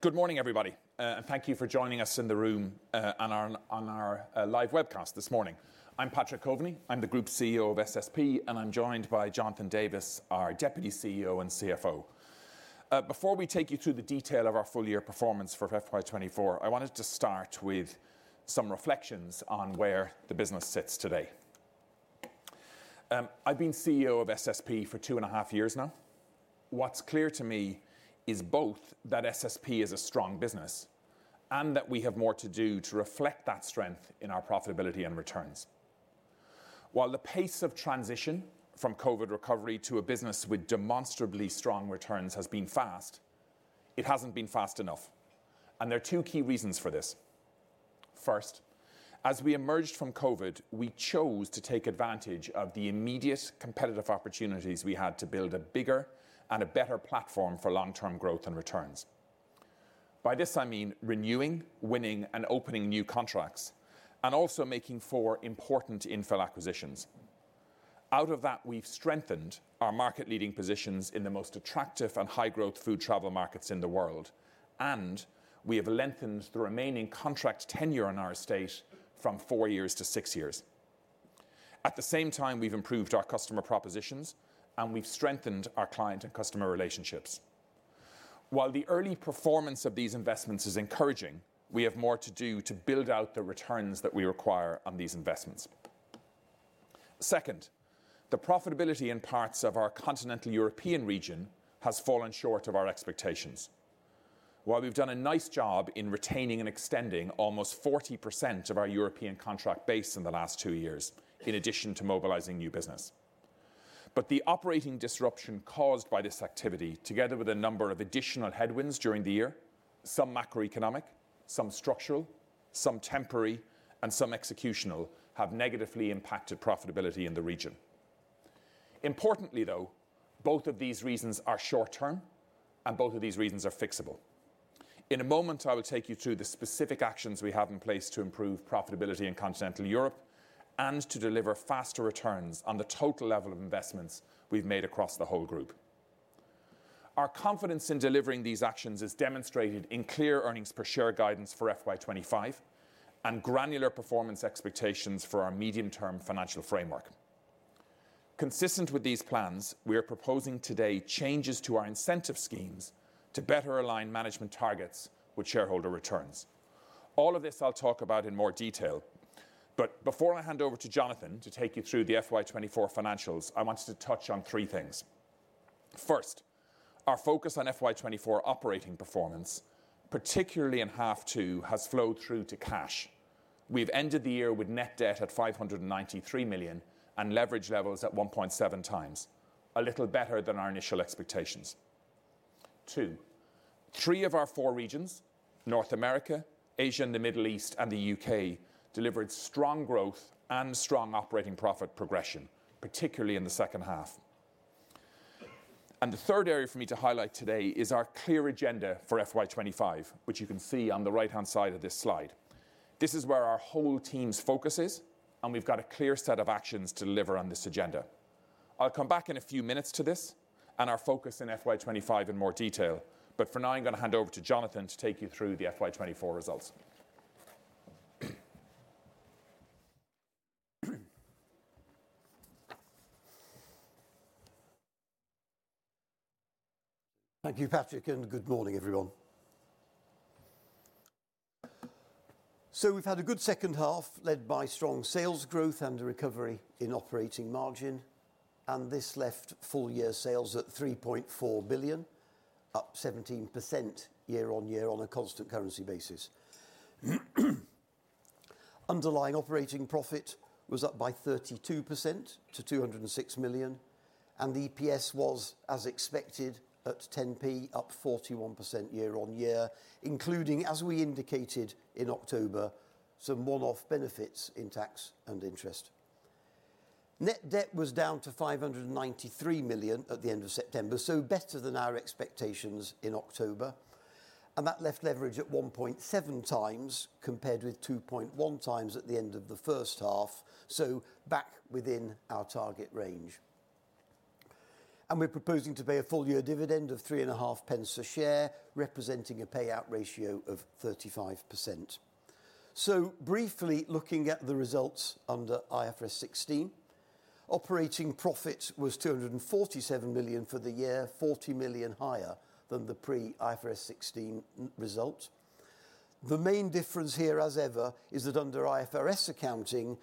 Good morning, everybody, and thank you for joining us in the room on our live webcast this morning. I'm Patrick Coveney, I'm the Group CEO of SSP, and I'm joined by Jonathan Davies, our Deputy CEO and CFO. Before we take you through the detail of our full-year performance for FY24, I wanted to start with some reflections on where the business sits today. I've been CEO of SSP for two and a half years now. What's clear to me is both that SSP is a strong business and that we have more to do to reflect that strength in our profitability and returns. While the pace of transition from COVID recovery to a business with demonstrably strong returns has been fast, it hasn't been fast enough, and there are two key reasons for this. First, as we emerged from COVID, we chose to take advantage of the immediate competitive opportunities we had to build a bigger and a better platform for long-term growth and returns. By this, I mean renewing, winning, and opening new contracts, and also making four important infill acquisitions. Out of that, we've strengthened our market-leading positions in the most attractive and high-growth food travel markets in the world, and we have lengthened the remaining contract tenure in our estate from four years to six years. At the same time, we've improved our customer propositions, and we've strengthened our client and customer relationships. While the early performance of these investments is encouraging, we have more to do to build out the returns that we require on these investments. Second, the profitability in parts of our continental European region has fallen short of our expectations. While we've done a nice job in retaining and extending almost 40% of our European contract base in the last two years, in addition to mobilizing new business, but the operating disruption caused by this activity, together with a number of additional headwinds during the year, some macroeconomic, some structural, some temporary, and some executional, have negatively impacted profitability in the region. Importantly, though, both of these reasons are short-term, and both of these reasons are fixable. In a moment, I will take you through the specific actions we have in place to improve profitability in Continental Europe and to deliver faster returns on the total level of investments we've made across the whole group. Our confidence in delivering these actions is demonstrated in clear earnings per share guidance for FY25 and granular performance expectations for our medium-term financial framework. Consistent with these plans, we are proposing today changes to our incentive schemes to better align management targets with shareholder returns. All of this I'll talk about in more detail, but before I hand over to Jonathan to take you through the FY24 financials, I wanted to touch on three things. First, our focus on FY24 operating performance, particularly in half two, has flowed through to cash. We've ended the year with net debt at 593 million and leverage levels at 1.7 times, a little better than our initial expectations. Two, three of our four regions, North America, Asia, the Middle East, and the U.K, delivered strong growth and strong operating profit progression, particularly in the second half. The third area for me to highlight today is our clear agenda for FY25, which you can see on the right-hand side of this slide. This is where our whole team's focus is, and we've got a clear set of actions to deliver on this agenda. I'll come back in a few minutes to this and our focus in FY25 in more detail, but for now, I'm going to hand over to Jonathan to take you through the FY24 results. Thank you, Patrick, and good morning, everyone, so we've had a good second half led by strong sales growth and a recovery in operating margin, and this left full-year sales at 3.4 billion, up 17% year-on-year on a constant currency basis. Underlying operating profit was up by 32% to 206 million, and the EPS was, as expected, at 0.10, up 41% year-on-year, including, as we indicated in October, some one-off benefits in tax and interest. Net debt was down to 593 million at the end of September, so better than our expectations in October, and that left leverage at 1.7 times compared with 2.1 times at the end of the first half, so back within our target range, and we're proposing to pay a full-year dividend of 0.035 a share, representing a payout ratio of 35%. So briefly, looking at the results under IFRS 16, operating profit was 247 million for the year, 40 million higher than the pre-IFRS 16 result. The main difference here, as ever, is that under IFRS accounting,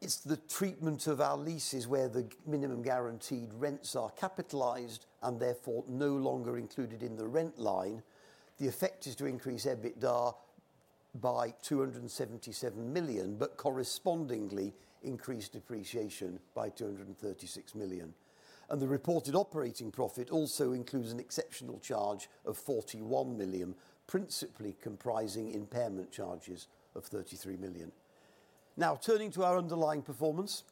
it's the treatment of our leases where the minimum guaranteed rents are capitalized and therefore no longer included in the rent line. The effect is to increase EBITDA by 277 million, but correspondingly increase depreciation by 236 million. And the reported operating profit also includes an exceptional charge of 41 million, principally comprising impairment charges of 33 million. Now, turning to our underlying performance,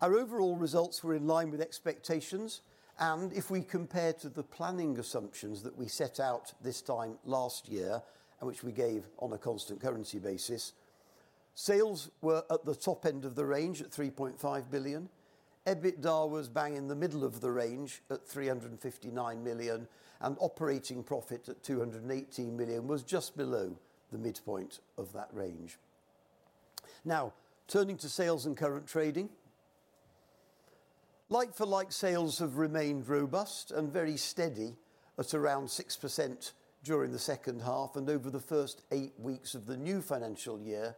our overall results were in line with expectations, and if we compare to the planning assumptions that we set out this time last year, which we gave on a constant currency basis, sales were at the top end of the range at 3.5 billion. EBITDA was bang in the middle of the range at 359 million, and operating profit at 218 million was just below the midpoint of that range. Now, turning to sales and current trading, like-for-like sales have remained robust and very steady at around 6% during the second half, and over the first eight weeks of the new financial year,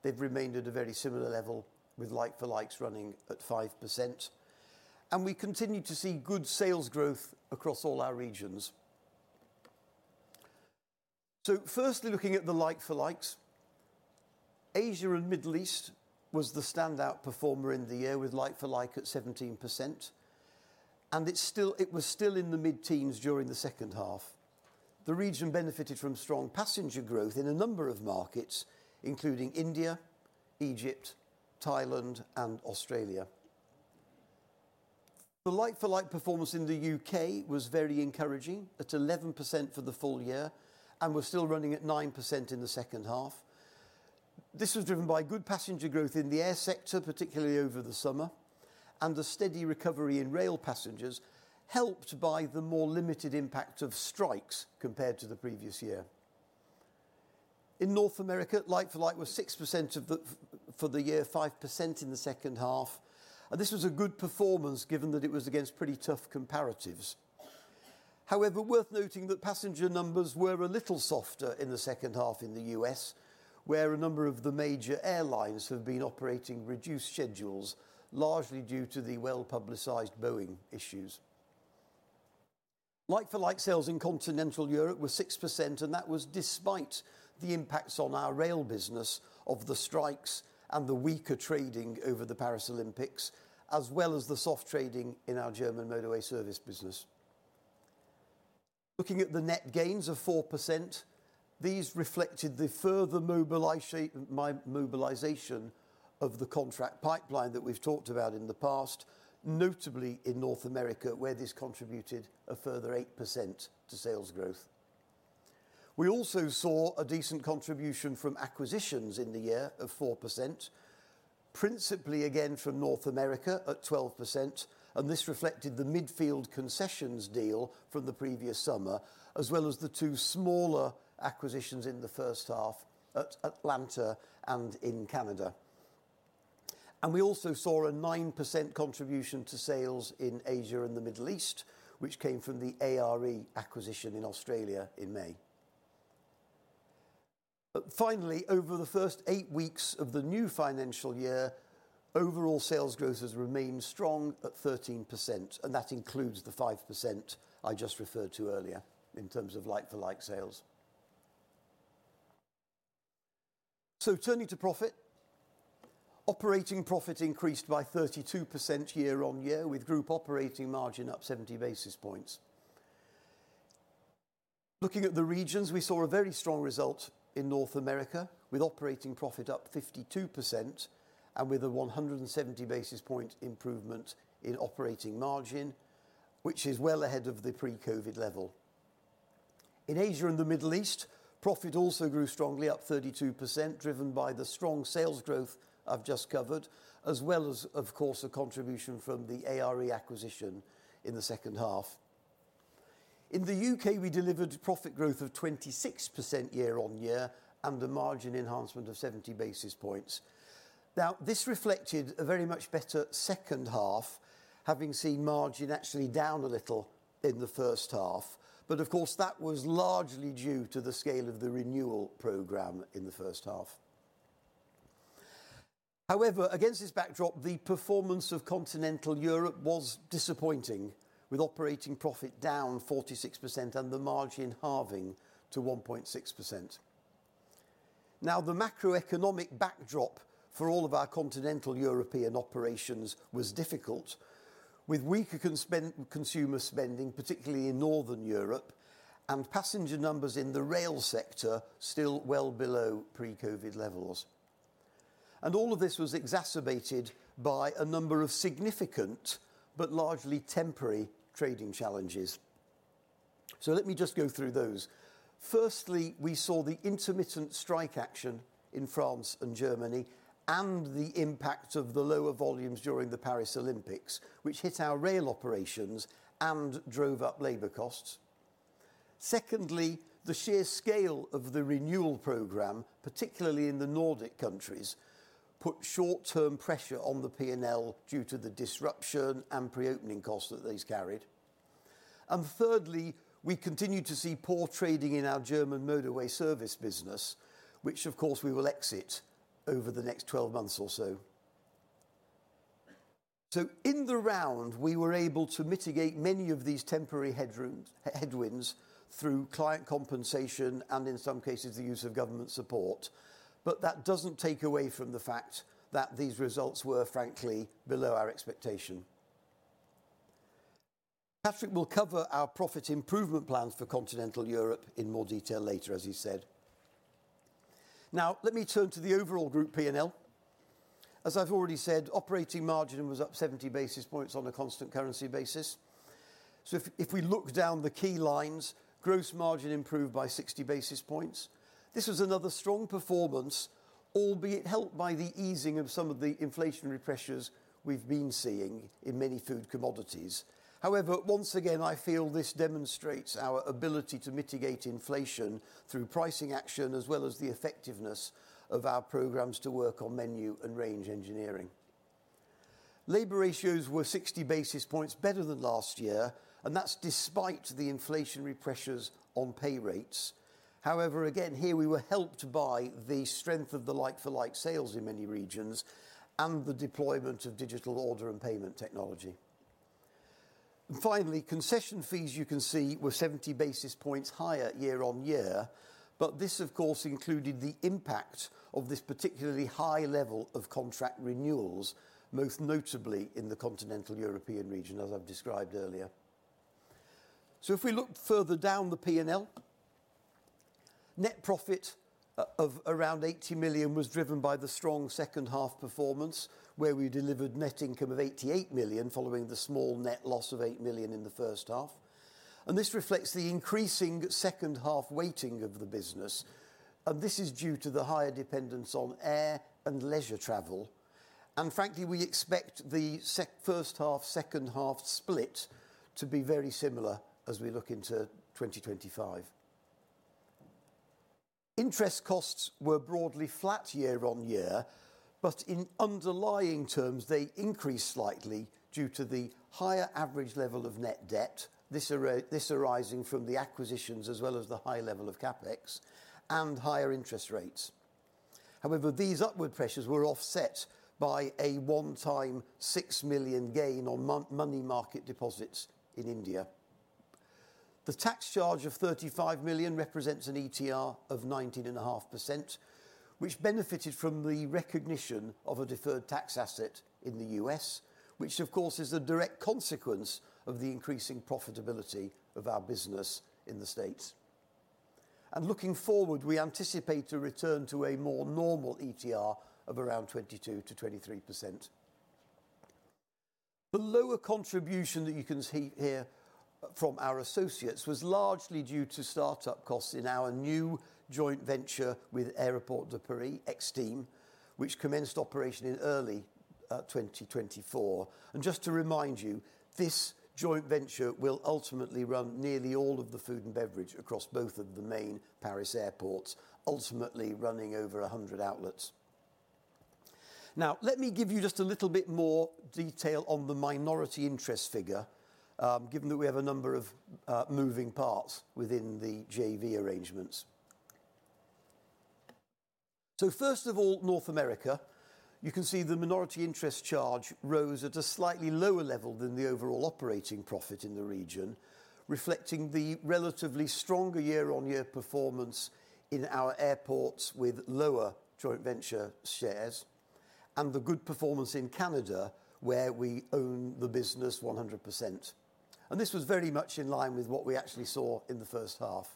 they've remained at a very similar level with like-for-likes running at 5%. And we continue to see good sales growth across all our regions. So firstly, looking at the like-for-likes, Asia and Middle East was the standout performer in the year with like-for-like at 17%, and it was still in the mid-teens during the second half. The region benefited from strong passenger growth in a number of markets, including India, Egypt, Thailand, and Australia. The like-for-like performance in the U.K. was very encouraging at 11% for the full year and was still running at 9% in the second half. This was driven by good passenger growth in the air sector, particularly over the summer, and the steady recovery in rail passengers helped by the more limited impact of strikes compared to the previous year. In North America, like-for-like was 6% for the year, 5% in the second half, and this was a good performance given that it was against pretty tough comparatives. However, worth noting that passenger numbers were a little softer in the second half in the U.S., where a number of the major airlines have been operating reduced schedules, largely due to the well-publicized Boeing issues. Like-for-like sales in Continental Europe were 6%, and that was despite the impacts on our rail business of the strikes and the weaker trading over the Paris Olympics, as well as the soft trading in our German motorway service business. Looking at the net gains of 4%, these reflected the further mobilization of the contract pipeline that we've talked about in the past, notably in North America, where this contributed a further 8% to sales growth. We also saw a decent contribution from acquisitions in the year of 4%, principally again from North America at 12%, and this reflected the Midfield Concessions deal from the previous summer, as well as the two smaller acquisitions in the first half at Atlanta and in Canada. And we also saw a 9% contribution to sales in Asia and the Middle East, which came from the ARE acquisition in Australia in May. Finally, over the first eight weeks of the new financial year, overall sales growth has remained strong at 13%, and that includes the 5% I just referred to earlier in terms of like-for-like sales. So turning to profit, operating profit increased by 32% year-on-year with group operating margin up 70 basis points. Looking at the regions, we saw a very strong result in North America with operating profit up 52% and with a 170 basis point improvement in operating margin, which is well ahead of the pre-COVID level. In Asia and the Middle East, profit also grew strongly up 32%, driven by the strong sales growth I've just covered, as well as, of course, a contribution from the ARE acquisition in the second half. In the U.K, we delivered profit growth of 26% year-on-year and a margin enhancement of 70 basis points. Now, this reflected a very much better second half, having seen margin actually down a little in the first half, but of course, that was largely due to the scale of the renewal program in the first half. However, against this backdrop, the performance of Continental Europe was disappointing, with operating profit down 46% and the margin halving to 1.6%. Now, the macroeconomic backdrop for all of our Continental European operations was difficult, with weaker consumer spending, particularly in Northern Europe, and passenger numbers in the rail sector still well below pre-COVID levels, and all of this was exacerbated by a number of significant but largely temporary trading challenges, so let me just go through those. Firstly, we saw the intermittent strike action in France and Germany and the impact of the lower volumes during the Paris Olympics, which hit our rail operations and drove up labor costs. Secondly, the sheer scale of the renewal program, particularly in the Nordic countries, put short-term pressure on the P&L due to the disruption and pre-opening costs that these carried. And thirdly, we continue to see poor trading in our German motorway service business, which, of course, we will exit over the next 12 months or so. So in the round, we were able to mitigate many of these temporary headwinds through client compensation and, in some cases, the use of government support, but that doesn't take away from the fact that these results were, frankly, below our expectation. Patrick will cover our profit improvement plans for continental Europe in more detail later, as he said. Now, let me turn to the overall group P&L. As I've already said, operating margin was up 70 basis points on a constant currency basis. So if we look down the key lines, gross margin improved by 60 basis points. This was another strong performance, albeit helped by the easing of some of the inflationary pressures we've been seeing in many food commodities. However, once again, I feel this demonstrates our ability to mitigate inflation through pricing action as well as the effectiveness of our programs to work on menu and range engineering. Labor ratios were 60 basis points better than last year, and that's despite the inflationary pressures on pay rates. However, again, here we were helped by the strength of the like-for-like sales in many regions and the deployment of digital order and payment technology. Finally, concession fees, you can see, were 70 basis points higher year-on-year, but this, of course, included the impact of this particularly high level of contract renewals, most notably in the continental European region, as I've described earlier. If we look further down the P&L, net profit of around 80 million was driven by the strong second half performance, where we delivered net income of 88 million following the small net loss of 8 million in the first half. This reflects the increasing second half weighting of the business, and this is due to the higher dependence on air and leisure travel. Frankly, we expect the first half, second half split to be very similar as we look into 2025. Interest costs were broadly flat year-on-year, but in underlying terms, they increased slightly due to the higher average level of net debt, this arising from the acquisitions as well as the high level of CapEx and higher interest rates. However, these upward pressures were offset by a one-time 6 million gain on money market deposits in India. The tax charge of 35 million represents an ETR of 19.5%, which benefited from the recognition of a deferred tax asset in the U.S., which, of course, is a direct consequence of the increasing profitability of our business in the States, and looking forward, we anticipate a return to a more normal ETR of around 22% to 23%. The lower contribution that you can see here from our associates was largely due to startup costs in our new joint venture with Aéroports de Paris Extime, which commenced operation in early 2024. Just to remind you, this joint venture will ultimately run nearly all of the food and beverage across both of the main Paris airports, ultimately running over 100 outlets. Now, let me give you just a little bit more detail on the minority interest figure, given that we have a number of moving parts within the JV arrangements. So first of all, North America, you can see the minority interest charge rose at a slightly lower level than the overall operating profit in the region, reflecting the relatively stronger year-on-year performance in our airports with lower joint venture shares and the good performance in Canada, where we own the business 100%. This was very much in line with what we actually saw in the first half.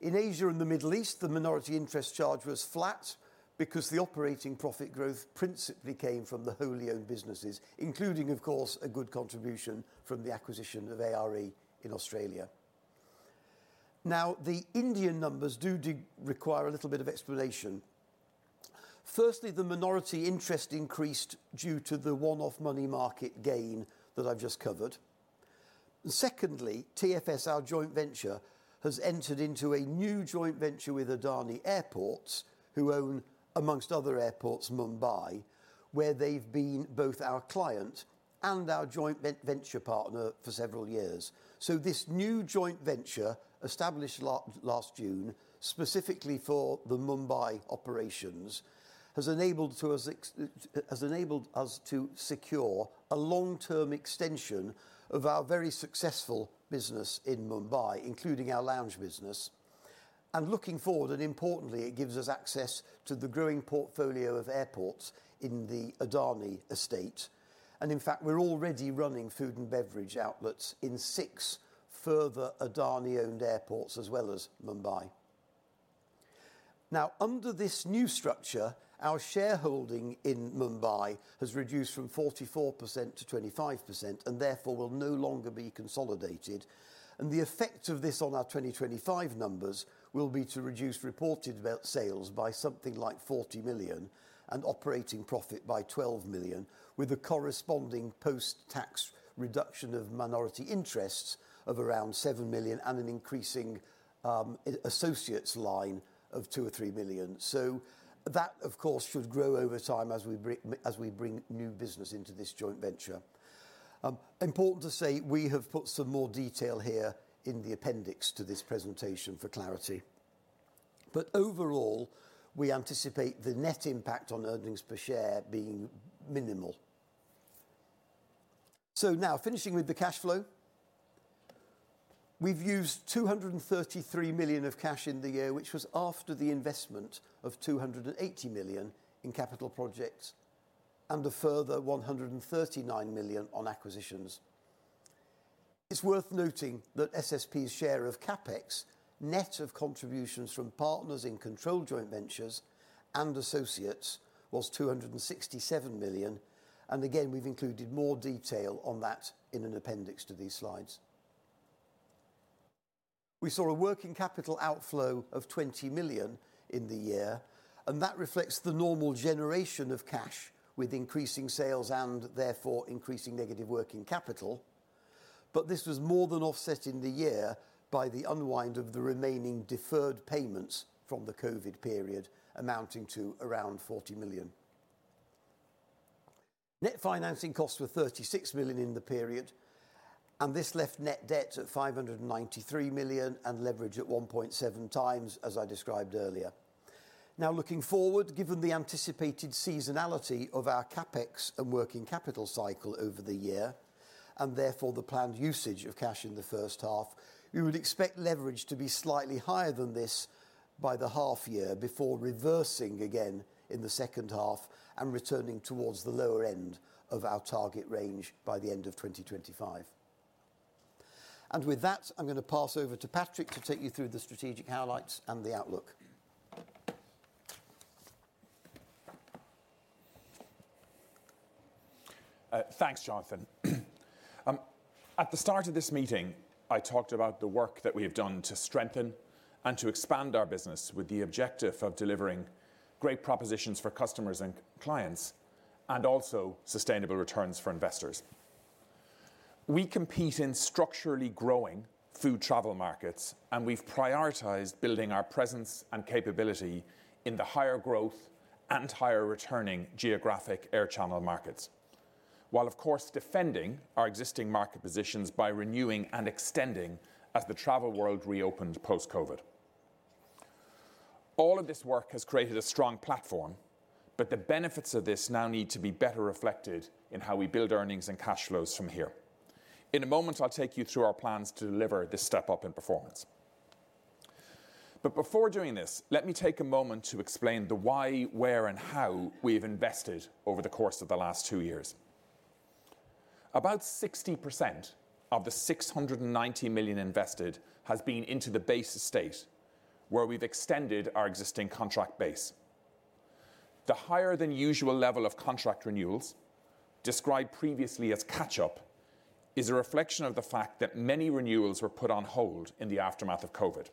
In Asia and the Middle East, the minority interest charge was flat because the operating profit growth principally came from the wholly owned businesses, including, of course, a good contribution from the acquisition of ARE in Australia. Now, the Indian numbers do require a little bit of explanation. Firstly, the minority interest increased due to the one-off money market gain that I've just covered. And secondly, TFS, our joint venture, has entered into a new joint venture with Adani Airports, who own, amongst other airports, Mumbai, where they've been both our client and our joint venture partner for several years. So this new joint venture, established last June, specifically for the Mumbai operations, has enabled us to secure a long-term extension of our very successful business in Mumbai, including our lounge business. Looking forward, and importantly, it gives us access to the growing portfolio of airports in the Adani estate. In fact, we are already running food and beverage outlets in six further Adani-owned airports as well as Mumbai. Now, under this new structure, our shareholding in Mumbai has reduced from 44% to 25% and therefore will no longer be consolidated. The effect of this on our 2025 numbers will be to reduce reported sales by something like 40 million and operating profit by 12 million, with a corresponding post-tax reduction of minority interests of around 7 million and an increasing associates line of 2 or 3 million. That, of course, should grow over time as we bring new business into this joint venture. It is important to say, we have put some more detail here in the appendix to this presentation for clarity. But overall, we anticipate the net impact on earnings per share being minimal. So now, finishing with the cash flow, we've used 233 million of cash in the year, which was after the investment of 280 million in capital projects and a further 139 million on acquisitions. It's worth noting that SSP's share of CapEx, net of contributions from partners in control joint ventures and associates, was 267 million. And again, we've included more detail on that in an appendix to these slides. We saw a working capital outflow of 20 million in the year, and that reflects the normal generation of cash with increasing sales and therefore increasing negative working capital. But this was more than offset in the year by the unwind of the remaining deferred payments from the COVID period, amounting to around 40 million. Net financing costs were 36 million in the period, and this left net debt at 593 million and leverage at 1.7 times, as I described earlier. Now, looking forward, given the anticipated seasonality of our CapEx and working capital cycle over the year, and therefore the planned usage of cash in the first half, we would expect leverage to be slightly higher than this by the half year before reversing again in the second half and returning towards the lower end of our target range by the end of 2025. And with that, I'm going to pass over to Patrick to take you through the strategic highlights and the outlook. Thanks, Jonathan. At the start of this meeting, I talked about the work that we have done to strengthen and to expand our business with the objective of delivering great propositions for customers and clients and also sustainable returns for investors. We compete in structurally growing food travel markets, and we've prioritized building our presence and capability in the higher growth and higher returning geographic air channel markets, while, of course, defending our existing market positions by renewing and extending as the travel world reopened post-COVID. All of this work has created a strong platform, but the benefits of this now need to be better reflected in how we build earnings and cash flows from here. In a moment, I'll take you through our plans to deliver this step up in performance. But before doing this, let me take a moment to explain the why, where, and how we've invested over the course of the last two years. About 60% of the 690 million invested has been into the base estate, where we've extended our existing contract base. The higher than usual level of contract renewals, described previously as catch-up, is a reflection of the fact that many renewals were put on hold in the aftermath of COVID.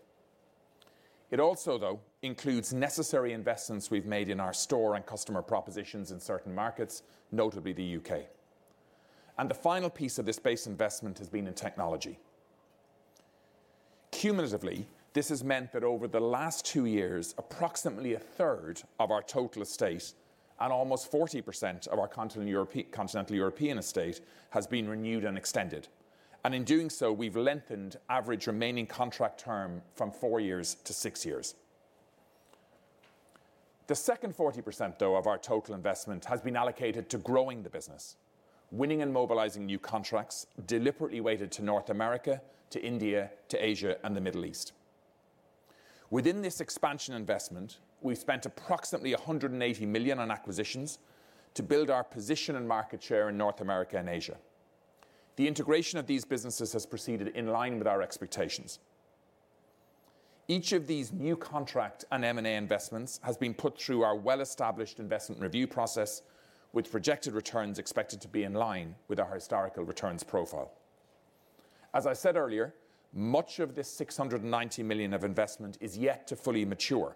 It also, though, includes necessary investments we've made in our store and customer propositions in certain markets, notably the U.K. And the final piece of this base investment has been in technology. Cumulatively, this has meant that over the last two years, approximately a third of our total estate and almost 40% of our Continental European estate has been renewed and extended. In doing so, we've lengthened average remaining contract term from four years to six years. The second 40%, though, of our total investment has been allocated to growing the business, winning and mobilizing new contracts deliberately weighted to North America, to India, to Asia, and the Middle East. Within this expansion investment, we've spent approximately 180 million on acquisitions to build our position and market share in North America and Asia. The integration of these businesses has proceeded in line with our expectations. Each of these new contract and M&A investments has been put through our well-established investment review process, with projected returns expected to be in line with our historical returns profile. As I said earlier, much of this 690 million of investment is yet to fully mature.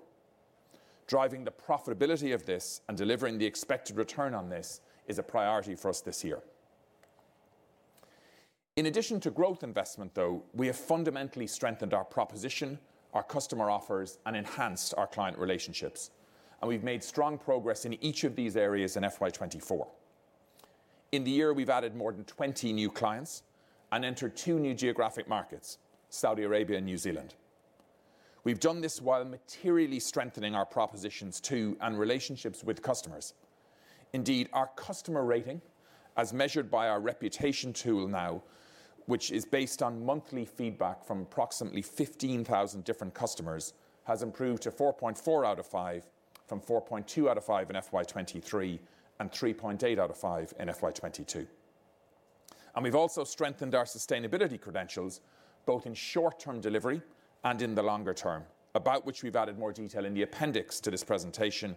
Driving the profitability of this and delivering the expected return on this is a priority for us this year. In addition to growth investment, though, we have fundamentally strengthened our proposition, our customer offers, and enhanced our client relationships. And we've made strong progress in each of these areas in FY24. In the year, we've added more than 20 new clients and entered two new geographic markets, Saudi Arabia and New Zealand. We've done this while materially strengthening our propositions to and relationships with customers. Indeed, our customer rating, as measured by our Reputation tool now, which is based on monthly feedback from approximately 15,000 different customers, has improved to 4.4 out of 5 from 4.2 out of 5 in FY23 and 3.8 out of 5 in FY22. And we've also strengthened our sustainability credentials, both in short-term delivery and in the longer term, about which we've added more detail in the appendix to this presentation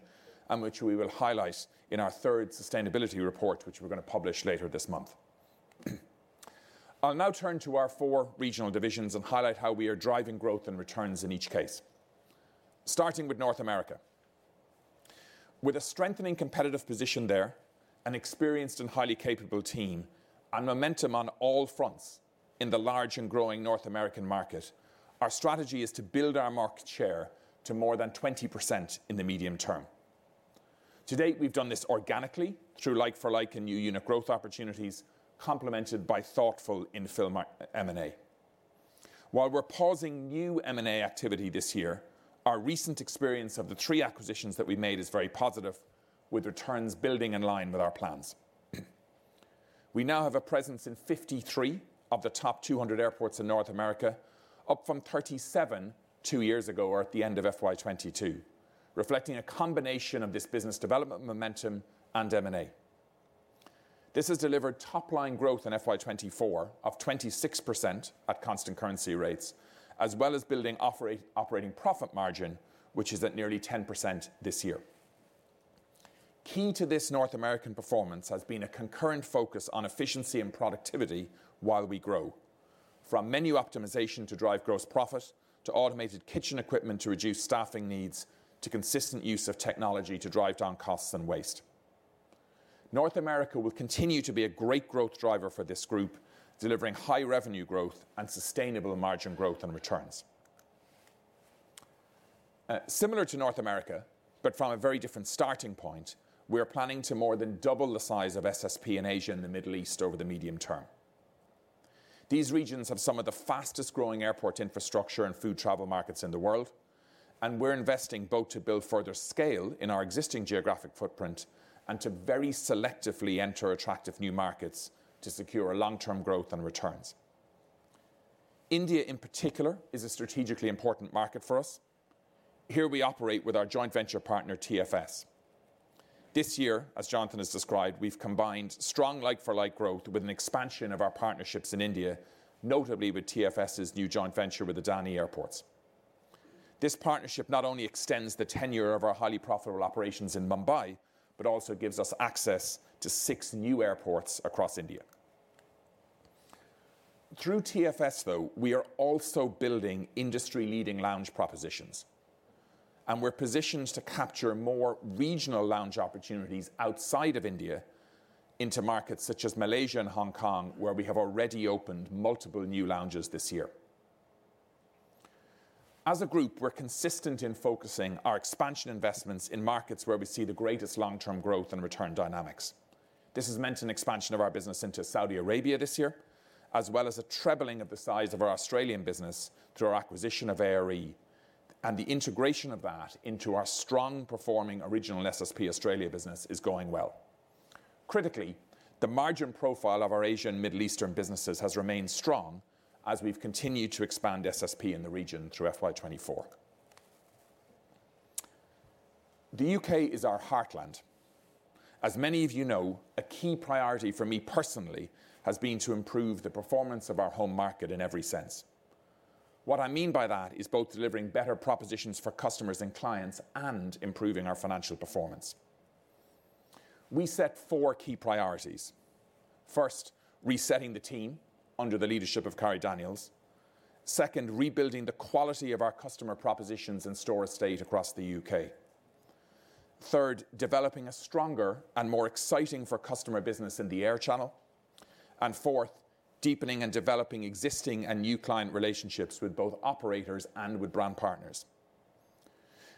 and which we will highlight in our third sustainability report, which we're going to publish later this month. I'll now turn to our four regional divisions and highlight how we are driving growth and returns in each case. Starting with North America. With a strengthening competitive position there, an experienced and highly capable team, and momentum on all fronts in the large and growing North American market, our strategy is to build our market share to more than 20% in the medium term. To date, we've done this organically through like-for-like and new unit growth opportunities, complemented by thoughtful in-fill M&A. While we're pausing new M&A activity this year, our recent experience of the three acquisitions that we've made is very positive, with returns building in line with our plans. We now have a presence in 53 of the top 200 airports in North America, up from 37 two years ago or at the end of FY22, reflecting a combination of this business development momentum and M&A. This has delivered top-line growth in FY24 of 26% at constant currency rates, as well as building operating profit margin, which is at nearly 10% this year. Key to this North American performance has been a concurrent focus on efficiency and productivity while we grow, from menu optimization to drive gross profit to automated kitchen equipment to reduce staffing needs to consistent use of technology to drive down costs and waste. North America will continue to be a great growth driver for this group, delivering high revenue growth and sustainable margin growth and returns. Similar to North America, but from a very different starting point, we're planning to more than double the size of SSP in Asia and the Middle East over the medium term. These regions have some of the fastest-growing airport infrastructure and food travel markets in the world, and we're investing both to build further scale in our existing geographic footprint and to very selectively enter attractive new markets to secure long-term growth and returns. India, in particular, is a strategically important market for us. Here we operate with our joint venture partner, TFS. This year, as Jonathan has described, we've combined strong like-for-like growth with an expansion of our partnerships in India, notably with TFS's new joint venture with Adani Airports. This partnership not only extends the tenure of our highly profitable operations in Mumbai, but also gives us access to six new airports across India. Through TFS, though, we are also building industry-leading lounge propositions, and we're positioned to capture more regional lounge opportunities outside of India into markets such as Malaysia and Hong Kong, where we have already opened multiple new lounges this year. As a group, we're consistent in focusing our expansion investments in markets where we see the greatest long-term growth and return dynamics. This has meant an expansion of our business into Saudi Arabia this year, as well as a trebling of the size of our Australian business through our acquisition of ARE, and the integration of that into our strong-performing original SSP Australia business is going well. Critically, the margin profile of our Asia and Middle Eastern businesses has remained strong as we've continued to expand SSP in the region through FY24. The U.K is our heartland. As many of you know, a key priority for me personally has been to improve the performance of our home market in every sense. What I mean by that is both delivering better propositions for customers and clients and improving our financial performance. We set four key priorities. First, resetting the team under the leadership of Kari Daniels. Second, rebuilding the quality of our customer propositions and store estate across the U.K. Third, developing a stronger and more exciting-for-customer business in the air channel. And fourth, deepening and developing existing and new client relationships with both operators and with brand partners.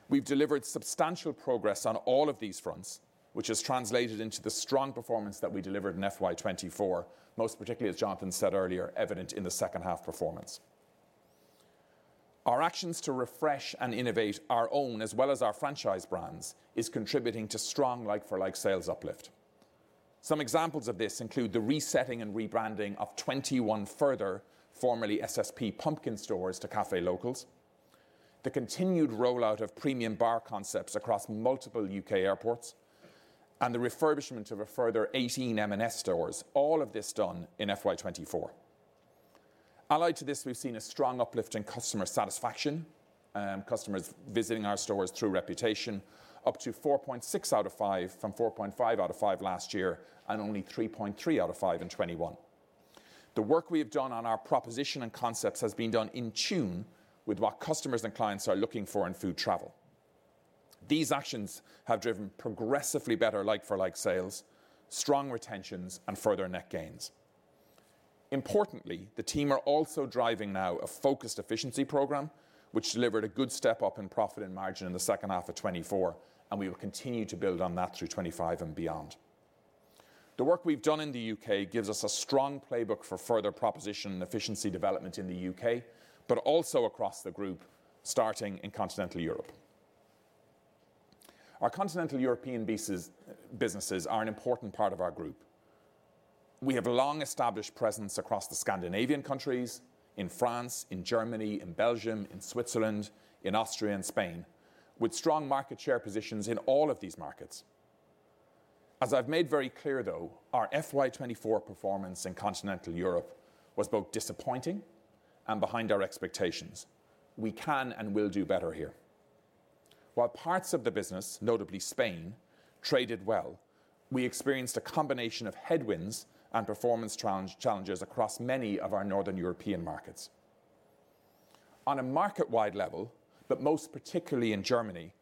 We've delivered substantial progress on all of these fronts, which has translated into the strong performance that we delivered in FY24, most particularly, as Jonathan said earlier, evident in the second-half performance. Our actions to refresh and innovate our own as well as our franchise brands are contributing to strong like-for-like sales uplift. Some examples of this include the resetting and rebranding of 21 further formerly SSP Pumpkin stores to Café Locals, the continued rollout of premium bar concepts across multiple U.K. airports, and the refurbishment of a further 18 M&S stores, all of this done in FY24. Allied to this, we've seen a strong uplift in customer satisfaction, customers visiting our stores through Reputation, up to 4.6 out of 5 from 4.5 out of 5 last year and only 3.3 out of 5 in 2021. The work we have done on our proposition and concepts has been done in tune with what customers and clients are looking for in food travel. These actions have driven progressively better like-for-like sales, strong retentions, and further net gains. Importantly, the team are also driving now a focused efficiency program, which delivered a good step up in profit and margin in the second half of 2024, and we will continue to build on that through 2025 and beyond. The work we've done in the U.K. gives us a strong playbook for further proposition and efficiency development in the U.K., but also across the group, starting in Continental Europe. Our Continental European businesses are an important part of our group. We have a long-established presence across the Scandinavian countries, in France, in Germany, in Belgium, in Switzerland, in Austria, and Spain, with strong market share positions in all of these markets. As I've made very clear, though, our FY24 performance in continental Europe was both disappointing and behind our expectations. We can and will do better here. While parts of the business, notably Spain, traded well, we experienced a combination of headwinds and performance challenges across many of our northern European markets. On a market-wide level, but most particularly in Germany,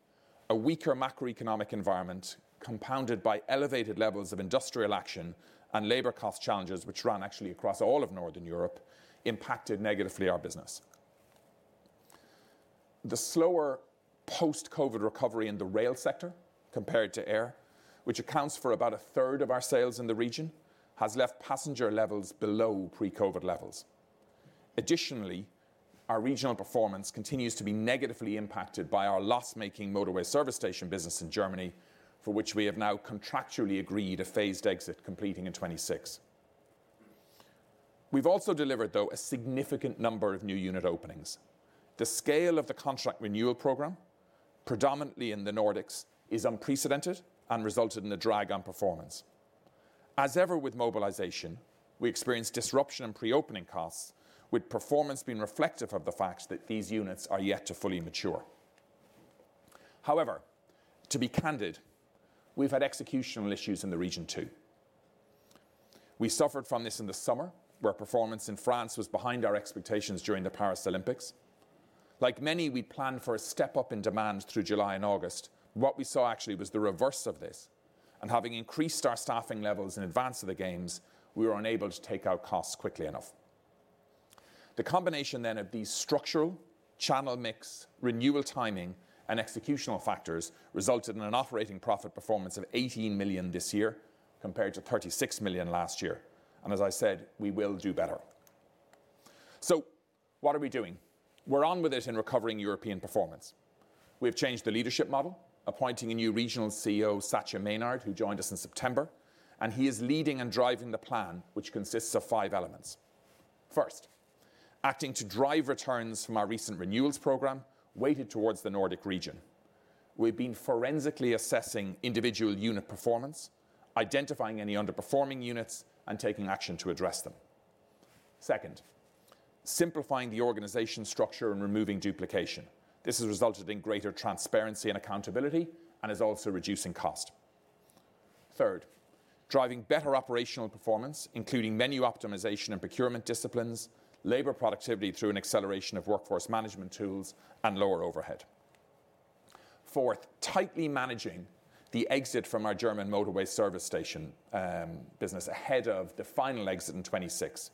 a weaker macroeconomic environment compounded by elevated levels of industrial action and labor cost challenges, which run actually across all of northern Europe, impacted negatively our business. The slower post-COVID recovery in the rail sector compared to air, which accounts for about a third of our sales in the region, has left passenger levels below pre-COVID levels. Additionally, our regional performance continues to be negatively impacted by our loss-making motorway service station business in Germany, for which we have now contractually agreed a phased exit completing in 2026. We've also delivered, though, a significant number of new unit openings. The scale of the contract renewal program, predominantly in the Nordics, is unprecedented and resulted in a drag on performance. As ever with mobilization, we experienced disruption in pre-opening costs, with performance being reflective of the fact that these units are yet to fully mature. However, to be candid, we've had executional issues in the region too. We suffered from this in the summer, where performance in France was behind our expectations during the Paris Olympics. Like many, we'd planned for a step up in demand through July and August. What we saw actually was the reverse of this. Having increased our staffing levels in advance of the games, we were unable to take out costs quickly enough. The combination then of these structural channel mix, renewal timing, and executional factors resulted in an operating profit performance of 18 million this year compared to 36 million last year. As I said, we will do better. What are we doing? We're on with it in recovering European performance. We have changed the leadership model, appointing a new regional CEO, Sathya Menon, who joined us in September. He is leading and driving the plan, which consists of five elements. First, acting to drive returns from our recent renewals program, weighted towards the Nordic region. We've been forensically assessing individual unit performance, identifying any underperforming units, and taking action to address them. Second, simplifying the organization structure and removing duplication. This has resulted in greater transparency and accountability and is also reducing cost. Third, driving better operational performance, including menu optimization and procurement disciplines, labor productivity through an acceleration of workforce management tools, and lower overhead. Fourth, tightly managing the exit from our German motorway service station business ahead of the final exit in 2026.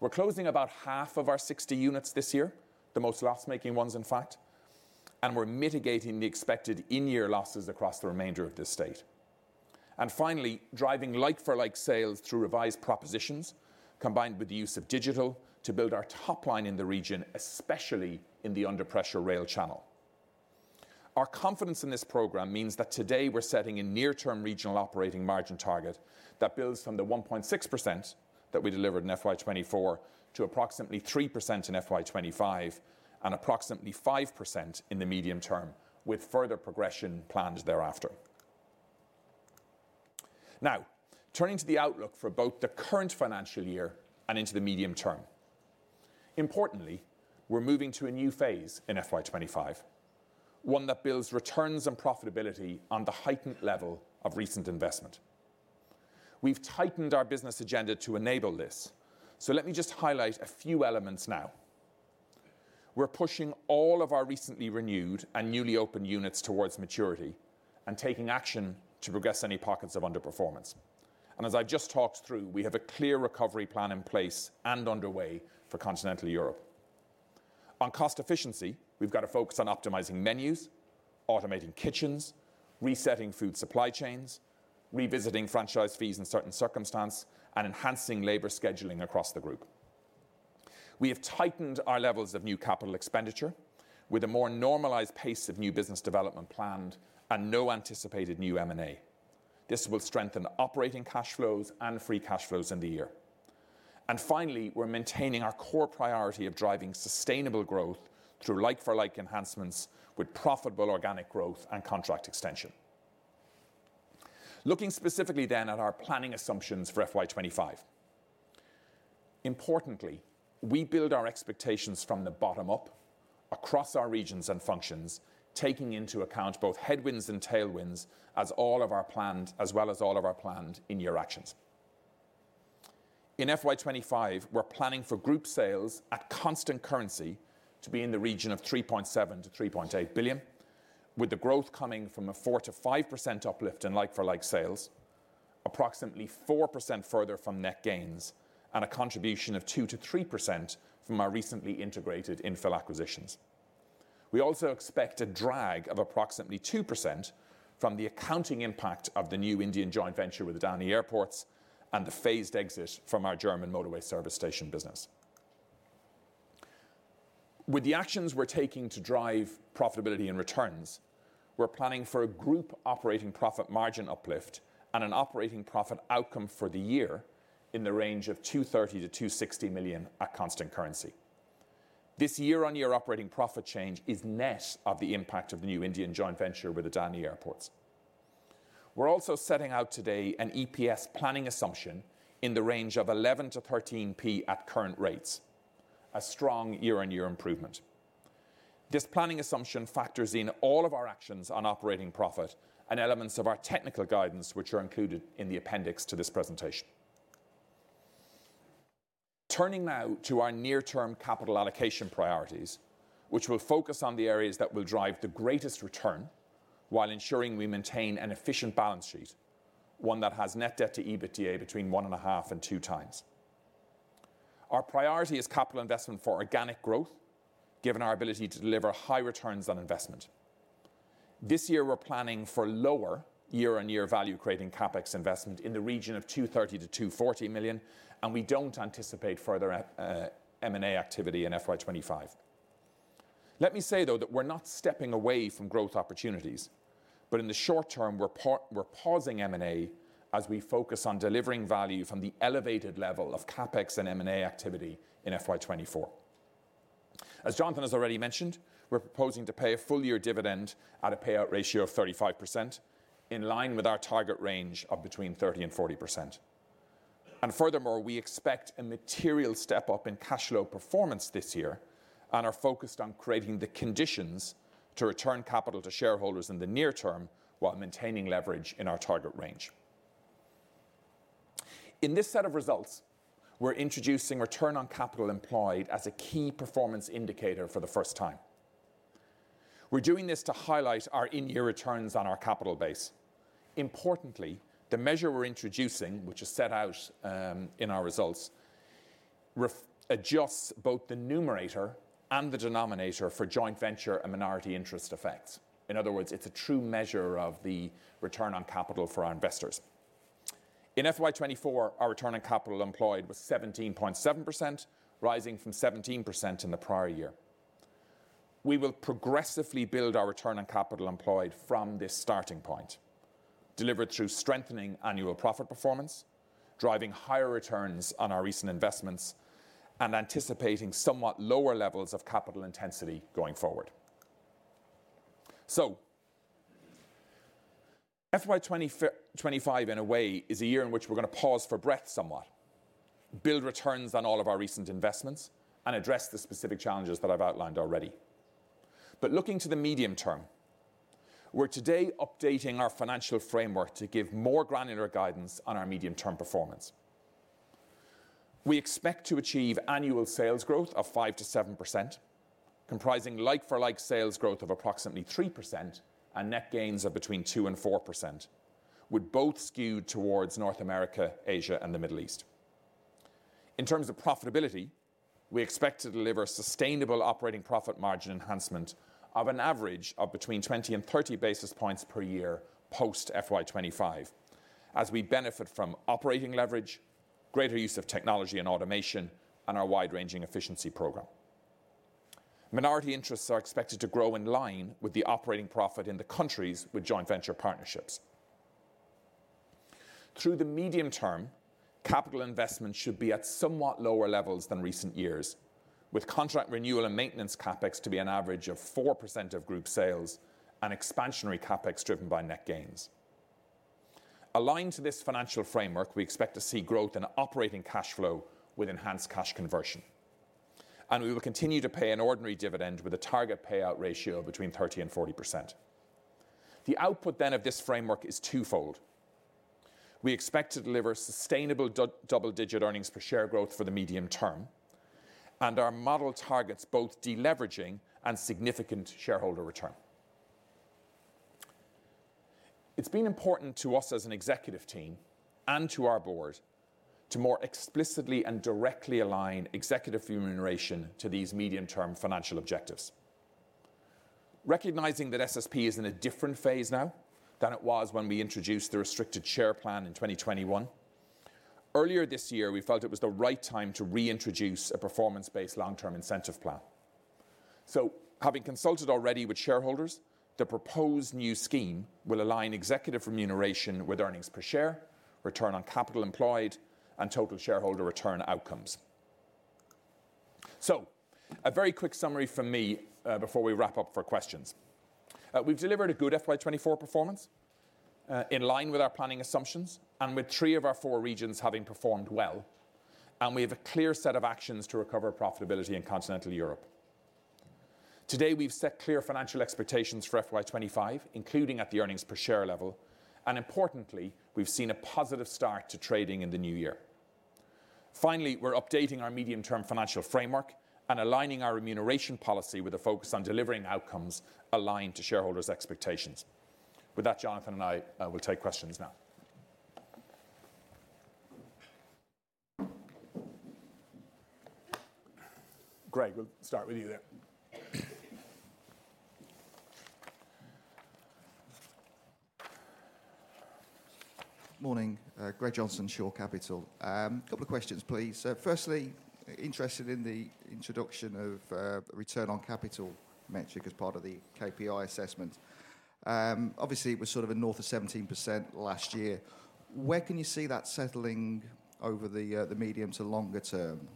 We're closing about half of our 60 units this year, the most loss-making ones, in fact. And we're mitigating the expected in-year losses across the remainder of the estate. And finally, driving like-for-like sales through revised propositions, combined with the use of digital to build our top line in the region, especially in the under-pressure rail channel. Our confidence in this program means that today we're setting a near-term regional operating margin target that builds from the 1.6% that we delivered in FY24 to approximately 3% in FY25 and approximately 5% in the medium term, with further progression planned thereafter. Now, turning to the outlook for both the current financial year and into the medium term. Importantly, we're moving to a new phase in FY25, one that builds returns and profitability on the heightened level of recent investment. We've tightened our business agenda to enable this. So let me just highlight a few elements now. We're pushing all of our recently renewed and newly opened units towards maturity and taking action to progress any pockets of underperformance. And as I've just talked through, we have a clear recovery plan in place and underway for continental Europe. On cost efficiency, we've got to focus on optimizing menus, automating kitchens, resetting food supply chains, revisiting franchise fees in certain circumstances, and enhancing labor scheduling across the group. We have tightened our levels of new capital expenditure with a more normalized pace of new business development planned and no anticipated new M&A. This will strengthen operating cash flows and free cash flows in the year. And finally, we're maintaining our core priority of driving sustainable growth through like-for-like enhancements with profitable organic growth and contract extension. Looking specifically then at our planning assumptions for FY25. Importantly, we build our expectations from the bottom up across our regions and functions, taking into account both headwinds and tailwinds as well as all of our planned in-year actions. In FY25, we're planning for group sales at constant currency to be in the region of 3.7 billion to 3.8 billion, with the growth coming from a 4% to 5% uplift in like-for-like sales, approximately 4% further from net gains, and a contribution of 2% to 3% from our recently integrated infill acquisitions. We also expect a drag of approximately 2% from the accounting impact of the new Indian joint venture with Adani Airports and the phased exit from our German motorway service station business. With the actions we're taking to drive profitability and returns, we're planning for a group operating profit margin uplift and an operating profit outcome for the year in the range of 230 million to 260 million at constant currency. This year-on-year operating profit change is net of the impact of the new Indian joint venture with Adani Airports. We're also setting out today an EPS planning assumption in the range of 0.11 to 0.13 at current rates, a strong year-on-year improvement. This planning assumption factors in all of our actions on operating profit and elements of our technical guidance, which are included in the appendix to this presentation. Turning now to our near-term capital allocation priorities, which will focus on the areas that will drive the greatest return while ensuring we maintain an efficient balance sheet, one that has net debt to EBITDA between one and a half and two times. Our priority is capital investment for organic growth, given our ability to deliver high returns on investment. This year, we're planning for lower year-on-year value-creating CapEx investment in the region of 230 to 240 million, and we don't anticipate further M&A activity in FY25. Let me say, though, that we're not stepping away from growth opportunities, but in the short term, we're pausing M&A as we focus on delivering value from the elevated level of CapEx and M&A activity in FY24. As Jonathan has already mentioned, we're proposing to pay a full-year dividend at a payout ratio of 35% in line with our target range of between 30% and 40%, and furthermore, we expect a material step up in cash flow performance this year and are focused on creating the conditions to return capital to shareholders in the near term while maintaining leverage in our target range. In this set of results, we're introducing return on capital employed as a key performance indicator for the first time. We're doing this to highlight our in-year returns on our capital base. Importantly, the measure we're introducing, which is set out in our results, adjusts both the numerator and the denominator for joint venture and minority interest effects. In other words, it's a true measure of the return on capital for our investors. In FY24, our return on capital employed was 17.7%, rising from 17% in the prior year. We will progressively build our return on capital employed from this starting point, delivered through strengthening annual profit performance, driving higher returns on our recent investments, and anticipating somewhat lower levels of capital intensity going forward. So FY25, in a way, is a year in which we're going to pause for breath somewhat, build returns on all of our recent investments, and address the specific challenges that I've outlined already. But looking to the medium term, we're today updating our financial framework to give more granular guidance on our medium-term performance. We expect to achieve annual sales growth of 5% to 7%, comprising like-for-like sales growth of approximately 3% and net gains of between 2% and 4%, with both skewed towards North America, Asia, and the Middle East. In terms of profitability, we expect to deliver a sustainable operating profit margin enhancement of an average of between 20 and 30 basis points per year post FY25, as we benefit from operating leverage, greater use of technology and automation, and our wide-ranging efficiency program. Minority interests are expected to grow in line with the operating profit in the countries with joint venture partnerships. Through the medium term, capital investment should be at somewhat lower levels than recent years, with contract renewal and maintenance CapEx to be an average of 4% of group sales and expansionary CapEx driven by net gains. Aligned to this financial framework, we expect to see growth in operating cash flow with enhanced cash conversion. And we will continue to pay an ordinary dividend with a target payout ratio between 30% and 40%. The output then of this framework is twofold. We expect to deliver sustainable double-digit earnings per share growth for the medium term, and our model targets both deleveraging and significant shareholder return. It's been important to us as an executive team and to our board to more explicitly and directly align executive remuneration to these medium-term financial objectives. Recognizing that SSP is in a different phase now than it was when we introduced the restricted share plan in 2021, earlier this year, we felt it was the right time to reintroduce a performance-based long-term incentive plan. So having consulted already with shareholders, the proposed new scheme will align executive remuneration with earnings per share, return on capital employed, and total shareholder return outcomes. So a very quick summary from me before we wrap up for questions. We've delivered a good FY24 performance in line with our planning assumptions and with three of our four regions having performed well. And we have a clear set of actions to recover profitability in Continental Europe. Today, we've set clear financial expectations for FY25, including at the earnings per share level. And importantly, we've seen a positive start to trading in the new year. Finally, we're updating our medium-term financial framework and aligning our remuneration policy with a focus on delivering outcomes aligned to shareholders' expectations. With that, Jonathan and I will take questions now. Greg, we'll start with you there. Morning. Greg Johnson of Shore Capital. A couple of questions, please. Firstly, interested in the introduction of the return on capital metric as part of the KPI assessment. Obviously, it was sort of a north of 17% last year. Where can you see that settling over the medium to longer term?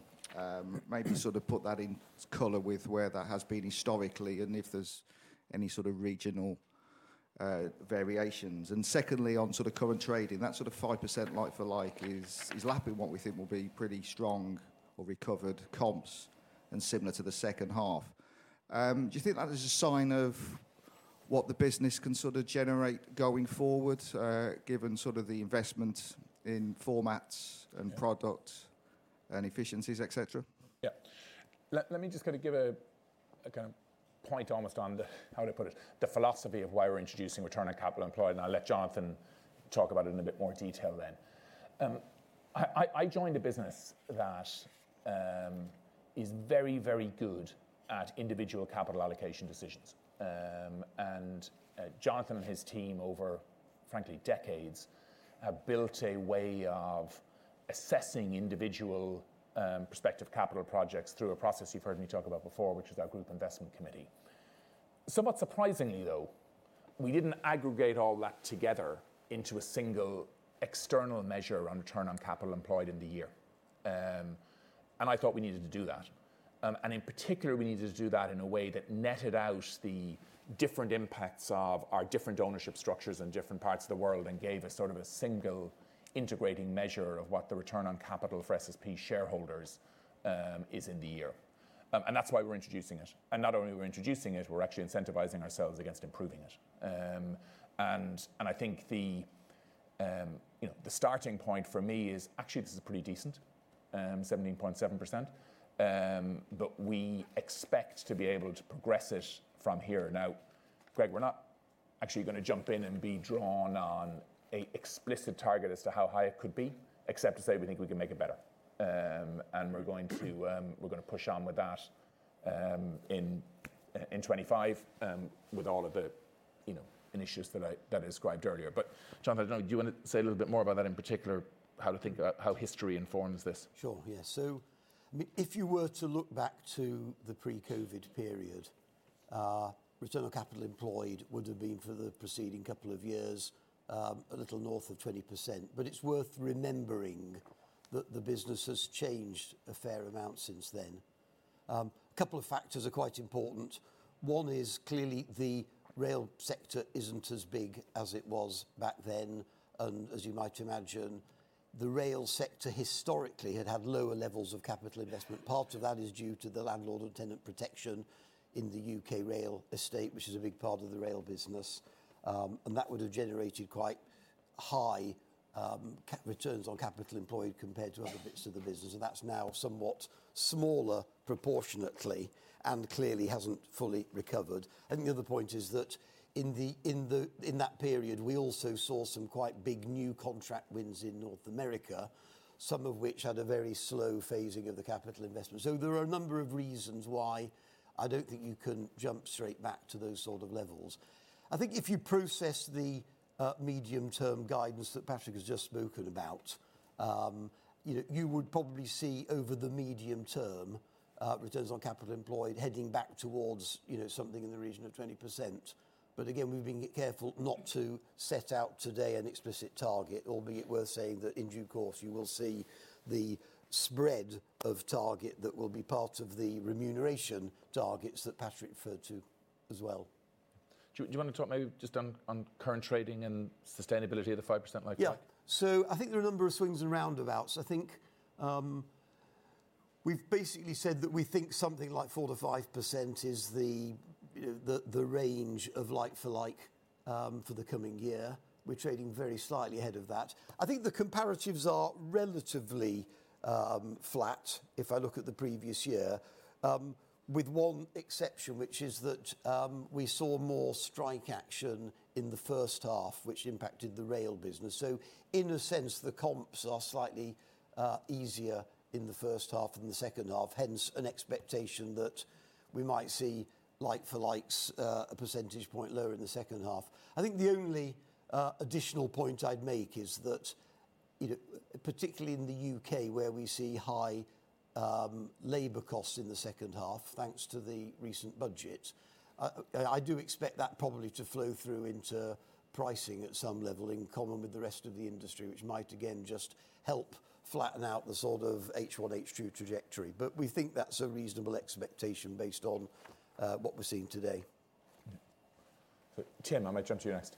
Maybe sort of put that into context with where that has been historically and if there's any sort of regional variations. And secondly, on sort of current trading, that sort of 5% like-for-like is lapping what we think will be pretty strong or recovered comps and similar to the second half. Do you think that is a sign of what the business can sort of generate going forward, given sort of the investment in formats and products and efficiencies, etc.? Yeah. Let me just kind of give a kind of point almost on the, how would I put it, the philosophy of why we're introducing return on capital employed. And I'll let Jonathan talk about it in a bit more detail then. I joined a business that is very, very good at individual capital allocation decisions. And Jonathan and his team over, frankly, decades have built a way of assessing individual prospective capital projects through a process you've heard me talk about before, which is our group investment committee. Somewhat surprisingly, though, we didn't aggregate all that together into a single external measure on return on capital employed in the year. And I thought we needed to do that. In particular, we needed to do that in a way that netted out the different impacts of our different ownership structures in different parts of the world and gave us sort of a single integrating measure of what the return on capital for SSP shareholders is in the year. That's why we're introducing it. Not only are we introducing it, we're actually incentivizing ourselves against improving it. I think the starting point for me is actually this is pretty decent, 17.7%, but we expect to be able to progress it from here. Now, Greg, we're not actually going to jump in and be drawn on an explicit target as to how high it could be, except to say we think we can make it better. We're going to push on with that in 2025 with all of the initiatives that I described earlier. But Jonathan, do you want to say a little bit more about that in particular, how to think about how history informs this? Sure. Yeah. So if you were to look back to the pre-COVID period, Return on Capital Employed would have been for the preceding couple of years a little north of 20%. But it's worth remembering that the business has changed a fair amount since then. A couple of factors are quite important. One is clearly the rail sector isn't as big as it was back then. And as you might imagine, the rail sector historically had had lower levels of capital investment. Part of that is due to the landlord-tenant protection in the U.K. rail estate, which is a big part of the rail business. And that would have generated quite high returns on Capital Employed compared to other bits of the business. That's now somewhat smaller proportionately and clearly hasn't fully recovered. I think the other point is that in that period, we also saw some quite big new contract wins in North America, some of which had a very slow phasing of the capital investment. There are a number of reasons why I don't think you can jump straight back to those sort of levels. I think if you process the medium-term guidance that Patrick has just spoken about, you would probably see over the medium term returns on capital employed heading back towards something in the region of 20%. Again, we've been careful not to set out today an explicit target, albeit worth saying that in due course, you will see the spread of target that will be part of the remuneration targets that Patrick referred to as well. Do you want to talk maybe just on current trading and sustainability of the 5% like-for-like? Yeah. So I think there are a number of swings and roundabouts. I think we've basically said that we think something like 4% to 5% is the range of like-for-like for the coming year. We're trading very slightly ahead of that. I think the comparatives are relatively flat if I look at the previous year, with one exception, which is that we saw more strike action in the first half, which impacted the rail business. So in a sense, the comps are slightly easier in the first half than the second half, hence an expectation that we might see like-for-likes a percentage point lower in the second half. I think the only additional point I'd make is that, particularly in the U.K, where we see high labor costs in the second half, thanks to the recent budget, I do expect that probably to flow through into pricing at some level in common with the rest of the industry, which might, again, just help flatten out the sort of H1, H2 trajectory. But we think that's a reasonable expectation based on what we're seeing today. Tim, I'm going to jump to you next.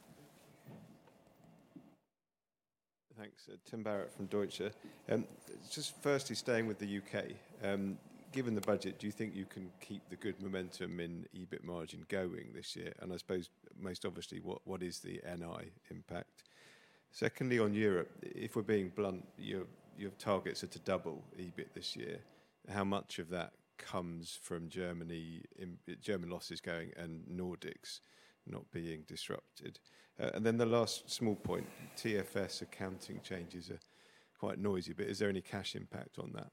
Thanks. Tim Barrett from Deutsche. Just firstly, staying with the U.K, given the budget, do you think you can keep the good momentum in EBIT margin going this year? And I suppose, most obviously, what is the NI impact? Secondly, on Europe, if we're being blunt, your targets are to double EBIT this year. How much of that comes from Germany, German losses going, and Nordics not being disrupted? And then the last small point, TFS accounting changes are quite noisy, but is there any cash impact on that?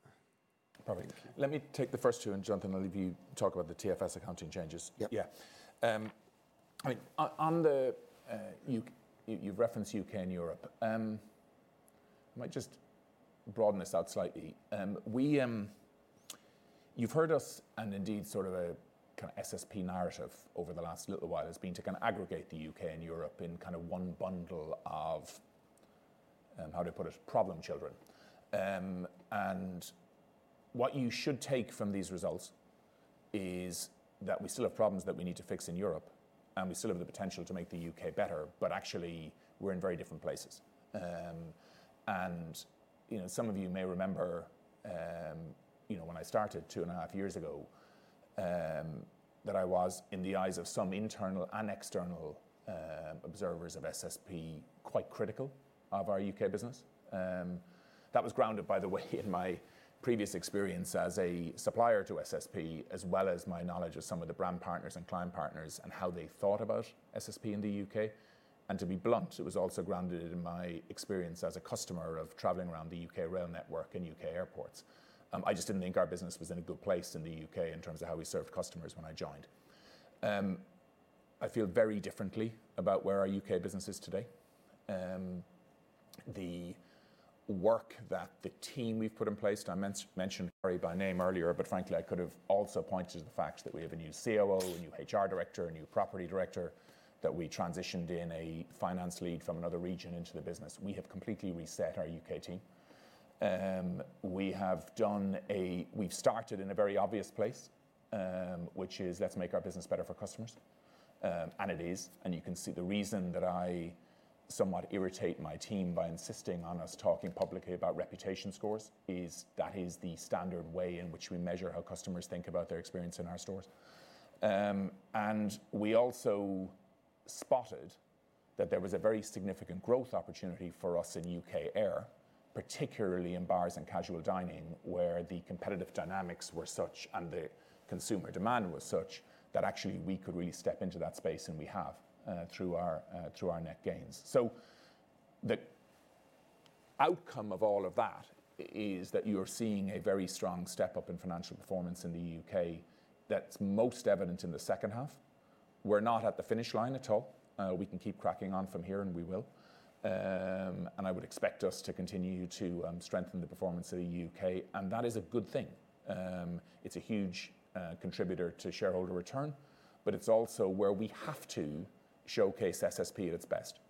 Perfect. Let me take the first two and jump in. I'll leave you talk about the TFS accounting changes. Yeah. I mean, on the you've referenced U.K and Europe. I might just broaden this out slightly. You've heard us, and indeed sort of a kind of SSP narrative over the last little while has been to kind of aggregate the U.K and Europe in kind of one bundle of, how do I put it, problem children. And what you should take from these results is that we still have problems that we need to fix in Europe, and we still have the potential to make the U.K better, but actually, we're in very different places. Some of you may remember when I started two and a half years ago that I was, in the eyes of some internal and external observers of SSP, quite critical of our U.K business. That was grounded, by the way, in my previous experience as a supplier to SSP, as well as my knowledge of some of the brand partners and client partners and how they thought about SSP in the U.K. To be blunt, it was also grounded in my experience as a customer of traveling around the U.K rail network and U.K airports. I just didn't think our business was in a good place in the U.K in terms of how we served customers when I joined. I feel very differently about where our U.K business is today. The work that the team we've put in place, I mentioned Kari by name earlier, but frankly, I could have also pointed to the fact that we have a new COO, a new HR director, a new property director, that we transitioned in a finance lead from another region into the business. We have completely reset our U.K team. We've started in a very obvious place, which is, let's make our business better for customers. And it is. And you can see the reason that I somewhat irritate my team by insisting on us talking publicly about reputation scores is that is the standard way in which we measure how customers think about their experience in our stores. And we also spotted that there was a very significant growth opportunity for us in U.K. air, particularly in bars and casual dining, where the competitive dynamics were such and the consumer demand was such that actually we could really step into that space, and we have through our net gains. So the outcome of all of that is that you're seeing a very strong step up in financial performance in the U.K. that's most evident in the second half. We're not at the finish line at all. We can keep cracking on from here, and we will. And I would expect us to continue to strengthen the performance of the U.K. And that is a good thing. It's a huge contributor to shareholder return, but it's also where we have to showcase SSP at its best.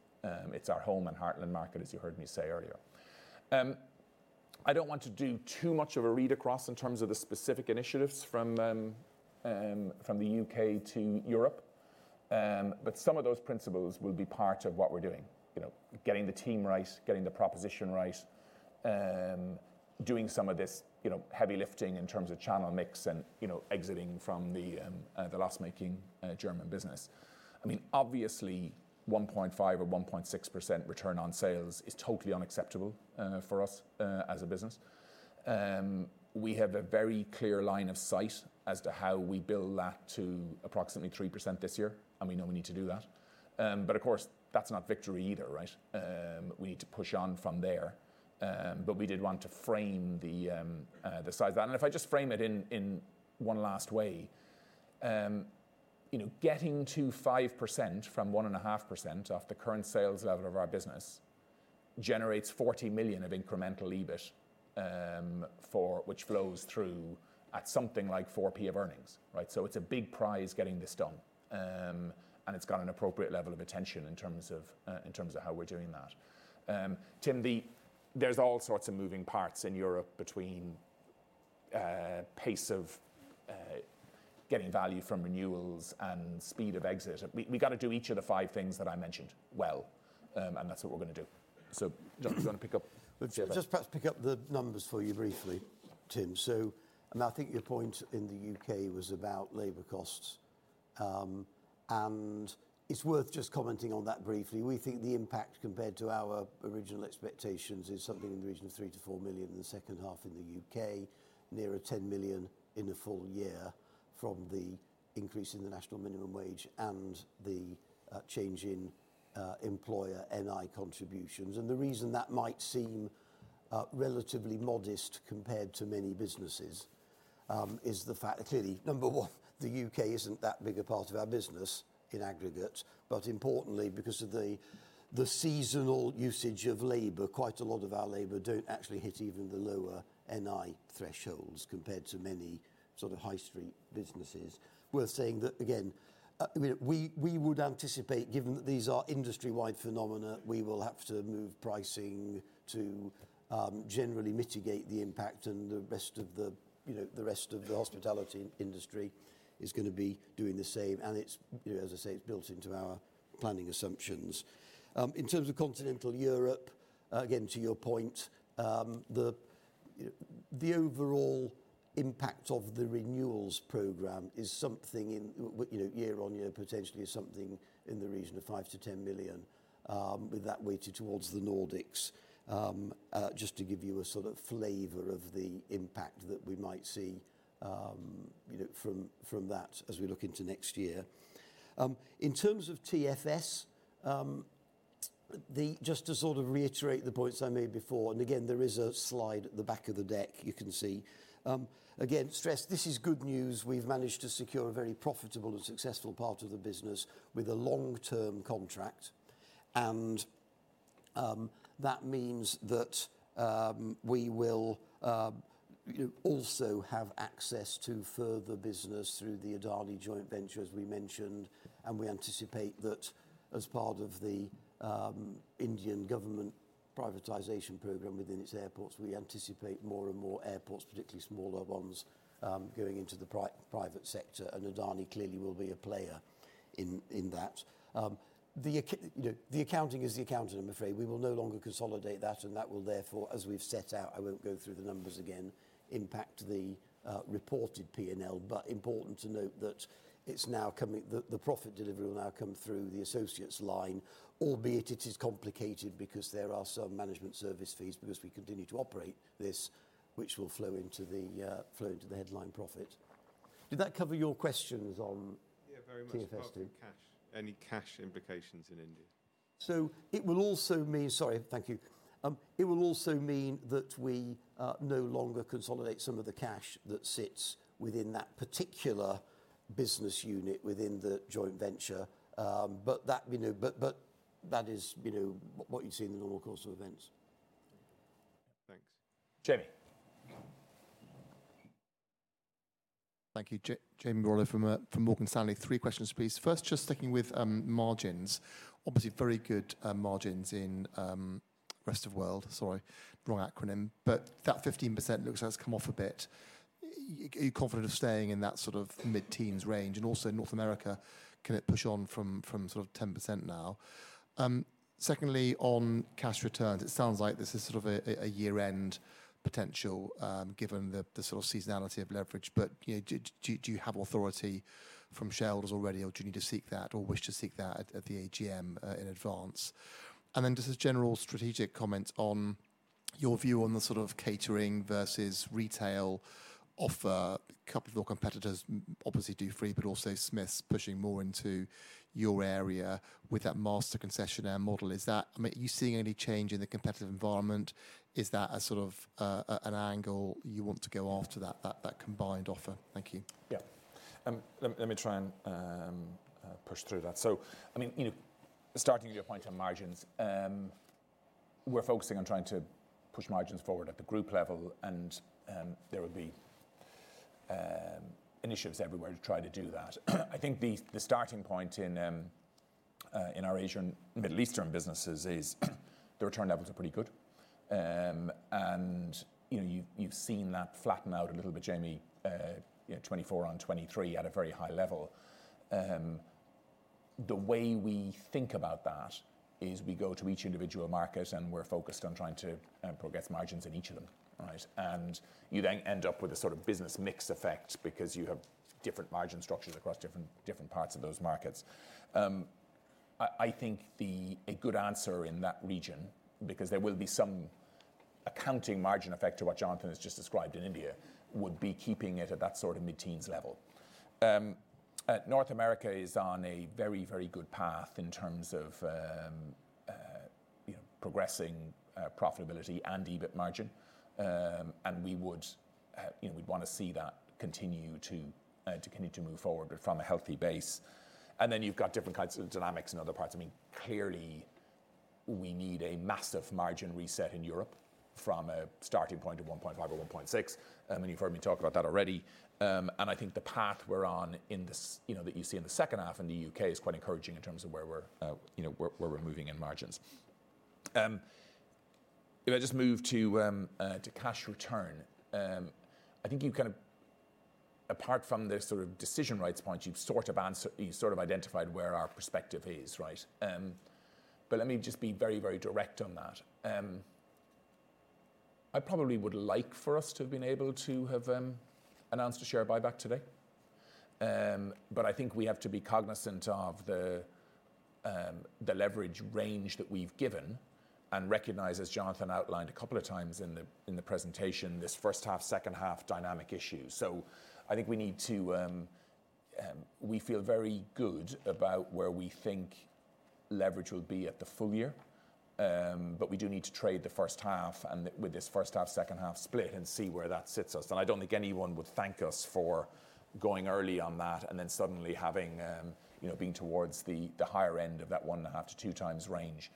It's our home and heartland market, as you heard me say earlier. I don't want to do too much of a read across in terms of the specific initiatives from the U.K. to Europe, but some of those principles will be part of what we're doing: getting the team right, getting the proposition right, doing some of this heavy lifting in terms of channel mix and exiting from the loss-making German business. I mean, obviously, 1.5% or 1.6% return on sales is totally unacceptable for us as a business. We have a very clear line of sight as to how we build that to approximately 3% this year, and we know we need to do that. But of course, that's not victory either, right? We need to push on from there. But we did want to frame the size of that. If I just frame it in one last way, getting to 5% from 1.5% of the current sales level of our business generates 40 million of incremental EBIT, which flows through at something like 4p of earnings, right? It's a big prize getting this done. It's got an appropriate level of attention in terms of how we're doing that. Tim, there's all sorts of moving parts in Europe between pace of getting value from renewals and speed of exit. We've got to do each of the five things that I mentioned well, and that's what we're going to do. Jonathan, do you want to pick up? Let's just perhaps pick up the numbers for you briefly, Tim. I think your point in the U.K. was about labor costs. It's worth just commenting on that briefly. We think the impact compared to our original expectations is something in the region of 3 to 4 million in the second half in the U.K, nearer 10 million in a full year from the increase in the national minimum wage and the change in employer NI contributions. And the reason that might seem relatively modest compared to many businesses is the fact that, clearly, number one, the U.K isn't that big a part of our business in aggregate. But importantly, because of the seasonal usage of labor, quite a lot of our labor don't actually hit even the lower NI thresholds compared to many sort of high-street businesses. Worth saying that, again, we would anticipate, given that these are industry-wide phenomena, we will have to move pricing to generally mitigate the impact. And the rest of the hospitality industry is going to be doing the same. As I say, it's built into our planning assumptions. In terms of continental Europe, again, to your point, the overall impact of the renewals program is something year on year, potentially something in the region of 5 to 10 million, with that weighted towards the Nordics, just to give you a sort of flavor of the impact that we might see from that as we look into next year. In terms of TFS, just to sort of reiterate the points I made before, and again, there is a slide at the back of the deck you can see. Again, stress, this is good news. We've managed to secure a very profitable and successful part of the business with a long-term contract. And that means that we will also have access to further business through the Adani joint venture, as we mentioned. We anticipate that as part of the Indian government privatization program within its airports, we anticipate more and more airports, particularly smaller ones, going into the private sector. Adani clearly will be a player in that. The accounting is the accountant, I'm afraid. We will no longer consolidate that. That will therefore, as we've set out, I won't go through the numbers again, impact the reported P&L. But important to note that it's now coming the profit delivery will now come through the associates' line, albeit it is complicated because there are some management service fees because we continue to operate this, which will flow into the headline profit. Did that cover your questions on TFS? Yeah, very much about cash. Any cash implications in India? So it will also mean, sorry, thank you. It will also mean that we no longer consolidate some of the cash that sits within that particular business unit within the joint venture. But that is what you see in the normal course of events. Thanks. Jamie. Thank you. Jamie Rollo from Morgan Stanley. Three questions, please. First, just sticking with margins. Obviously, very good margins in rest of world. Sorry, wrong acronym. But that 15% looks like it's come off a bit. Are you confident of staying in that sort of mid-teens range? And also North America, can it push on from sort of 10% now? Secondly, on cash returns, it sounds like this is sort of a year-end potential given the sort of seasonality of leverage. But do you have authority from shareholders already, or do you need to seek that or wish to seek that at the AGM in advance? Then just a general strategic comment on your view on the sort of catering versus retail offer. A couple of your competitors, obviously Dufry, but also WH Smith, pushing more into your area with that master concessionaire model. Are you seeing any change in the competitive environment? Is that a sort of an angle you want to go after, that combined offer? Thank you. Yeah. Let me try and push through that. So I mean, starting with your point on margins, we're focusing on trying to push margins forward at the group level. And there will be initiatives everywhere to try to do that. I think the starting point in our Asian Middle Eastern businesses is the return levels are pretty good. And you've seen that flatten out a little bit, Jamie, 2024 on 2023 at a very high level. The way we think about that is we go to each individual market, and we're focused on trying to progress margins in each of them, right? And you then end up with a sort of business mix effect because you have different margin structures across different parts of those markets. I think a good answer in that region, because there will be some accounting margin effect to what Jonathan has just described in India, would be keeping it at that sort of mid-teens level. North America is on a very, very good path in terms of progressing profitability and EBIT margin. And we would want to see that continue to move forward from a healthy base. And then you've got different kinds of dynamics in other parts. I mean, clearly, we need a massive margin reset in Europe from a starting point of 1.5% or 1.6%. You've heard me talk about that already. I think the path we're on that you see in the second half in the U.K. is quite encouraging in terms of where we're moving in margins. If I just move to cash return, I think you kind of, apart from this sort of decision rights point, you've sort of identified where our perspective is, right? But let me just be very, very direct on that. I probably would like for us to have been able to have announced a share buyback today. But I think we have to be cognizant of the leverage range that we've given and recognize, as Jonathan outlined a couple of times in the presentation, this first half, second half dynamic issue. So I think we need to. We feel very good about where we think leverage will be at the full year. But we do need to trade the first half and, with this first half, second half split, see where that sits us. I don't think anyone would thank us for going early on that and then suddenly having been towards the higher end of that one and a half to two times range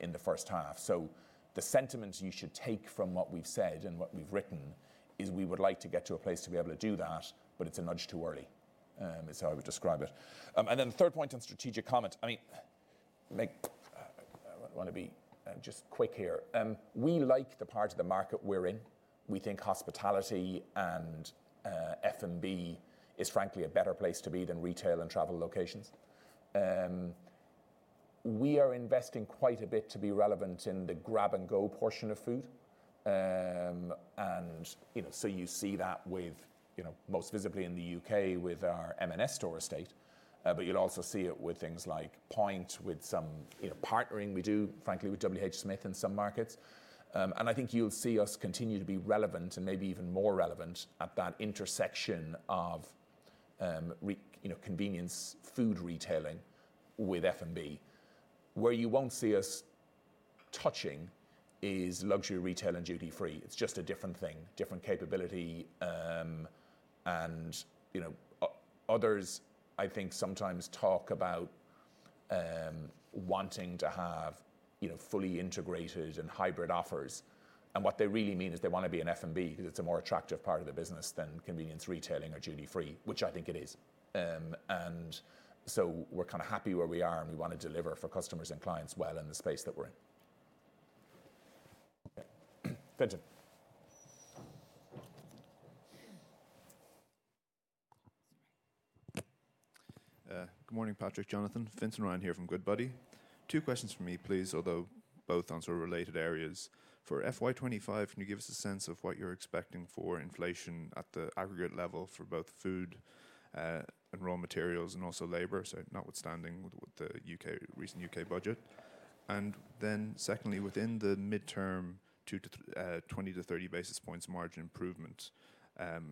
in the first half. So the sentiment you should take from what we've said and what we've written is we would like to get to a place to be able to do that, but it's a nudge too early, is how I would describe it. Then the third point on strategic comment. I mean, I want to be just quick here. We like the part of the market we're in. We think hospitality and F&B is, frankly, a better place to be than retail and travel locations. We are investing quite a bit to be relevant in the grab-and-go portion of food. And so you see that most visibly in the U.K. with our M&S store estate. But you'll also see it with things like Point, with some partnering we do, frankly, with WH Smith in some markets. And I think you'll see us continue to be relevant and maybe even more relevant at that intersection of convenience food retailing with F&B. Where you won't see us touching is luxury retail and duty-free. It's just a different thing, different capability. And others, I think, sometimes talk about wanting to have fully integrated and hybrid offers. And what they really mean is they want to be an F&B because it's a more attractive part of the business than convenience retailing or duty-free, which I think it is. And so we're kind of happy where we are, and we want to deliver for customers and clients well in the space that we're in. Vincent. Good morning, Patrick, Jonathan. Vincent Ryan here from Goodbody. Two questions for me, please, although both on sort of related areas. For FY25, can you give us a sense of what you're expecting for inflation at the aggregate level for both food and raw materials and also labor? So notwithstanding the recent U.K budget. And then secondly, within the midterm, 2 to 30 basis points margin improvement.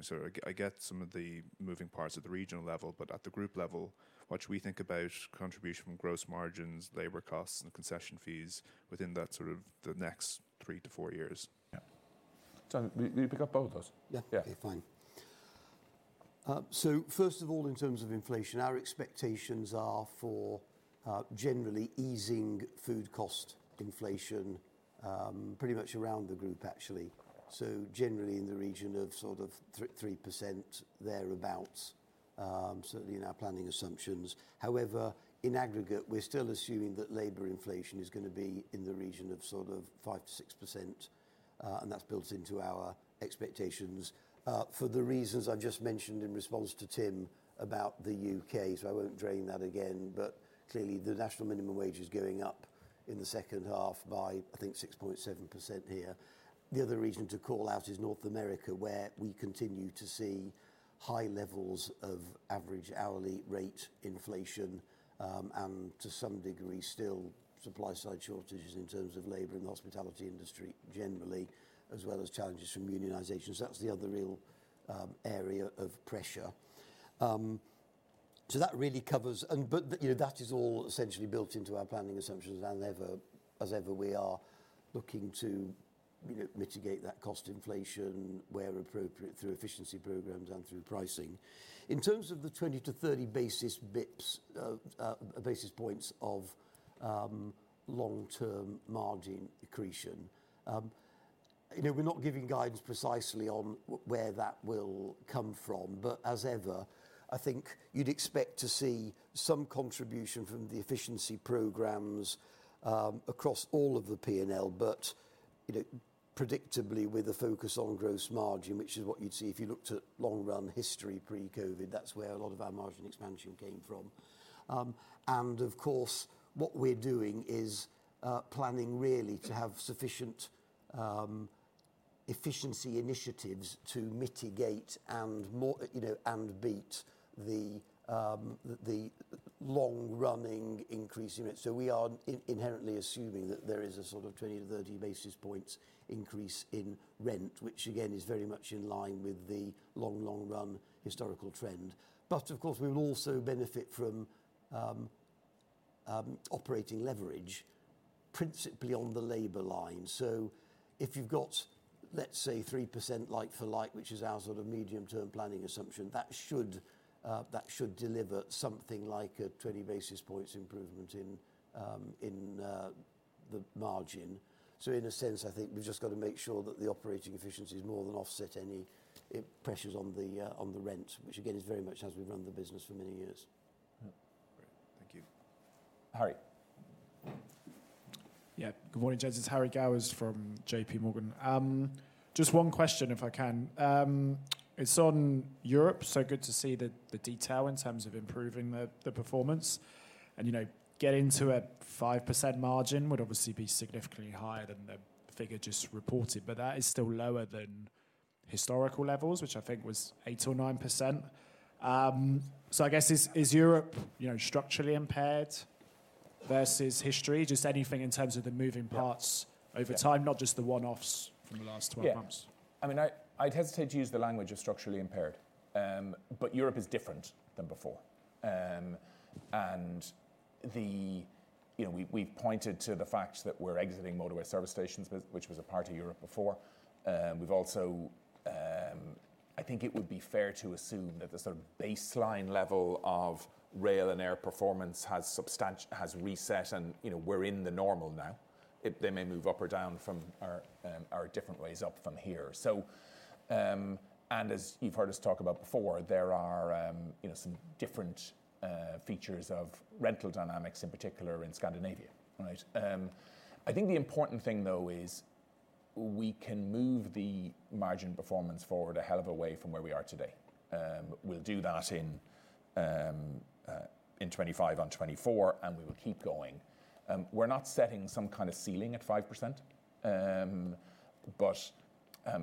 So I get some of the moving parts at the regional level, but at the group level, what should we think about contribution from gross margins, labor costs, and concession fees within that sort of the next three to four years? Yeah. Can you pick up both of those? Yeah. Yeah, fine. So first of all, in terms of inflation, our expectations are for generally easing food cost inflation pretty much around the group, actually. So generally in the region of sort of 3% thereabouts, certainly in our planning assumptions. However, in aggregate, we're still assuming that labor inflation is going to be in the region of sort of 5% to 6%. And that's built into our expectations for the reasons I just mentioned in response to Tim about the U.K. So I won't drone that again. But clearly, the national minimum wage is going up in the second half by, I think, 6.7% here. The other reason to call out is North America, where we continue to see high levels of average hourly rate inflation and, to some degree, still supply-side shortages in terms of labor in the hospitality industry generally, as well as challenges from unionization. So that's the other real area of pressure. So that really covers, and but that is all essentially built into our planning assumptions, as ever, we are looking to mitigate that cost inflation where appropriate through efficiency programs and through pricing. In terms of the 20 to 30 basis points of long-term margin accretion, we're not giving guidance precisely on where that will come from. But as ever, I think you'd expect to see some contribution from the efficiency programs across all of the P&L, but predictably with a focus on gross margin, which is what you'd see if you looked at long-run history pre-COVID. That's where a lot of our margin expansion came from. And of course, what we're doing is planning really to have sufficient efficiency initiatives to mitigate and beat the long-running increase in rent. So we are inherently assuming that there is a sort of 20 to 30 basis points increase in rent, which again is very much in line with the long, long-run historical trend. But of course, we will also benefit from operating leverage, principally on the labor line. So if you've got, let's say, 3% like for like, which is our sort of medium-term planning assumption, that should deliver something like a 20 basis points improvement in the margin. So in a sense, I think we've just got to make sure that the operating efficiency is more than offset any pressures on the rent, which again is very much as we've run the business for many years. Great. Thank you. Harry. Yeah. Good morning, gents. It's Harry Gowers from JPMorgan. Just one question, if I can. It's on Europe, so good to see the detail in terms of improving the performance. And getting to a 5% margin would obviously be significantly higher than the figure just reported, but that is still lower than historical levels, which I think was 8 or 9%. So I guess, is Europe structurally impaired versus history? Just anything in terms of the moving parts over time, not just the one-offs from the last 12 months. Yeah. I mean, I'd hesitate to use the language of structurally impaired. But Europe is different than before. And we've pointed to the fact that we're exiting motorway service stations, which was a part of Europe before. I think it would be fair to assume that the sort of baseline level of rail and air performance has reset, and we're in the normal now. They may move up or down from our different ways up from here. As you've heard us talk about before, there are some different features of rental dynamics, in particular in Scandinavia, right? I think the important thing, though, is we can move the margin performance forward a hell of a way from where we are today. We'll do that in 25 on 24, and we will keep going. We're not setting some kind of ceiling at 5%.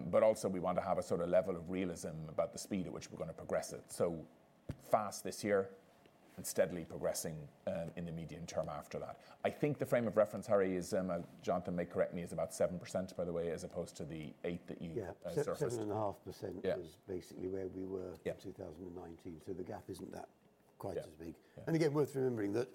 But also, we want to have a sort of level of realism about the speed at which we're going to progress it. So fast this year and steadily progressing in the medium term after that. I think the frame of reference, Harry, is, Jonathan may correct me, is about 7%, by the way, as opposed to the 8% that you surfaced. Yeah. 7.5% was basically where we were in 2019, so the gap isn't quite as big. Again, it's worth remembering that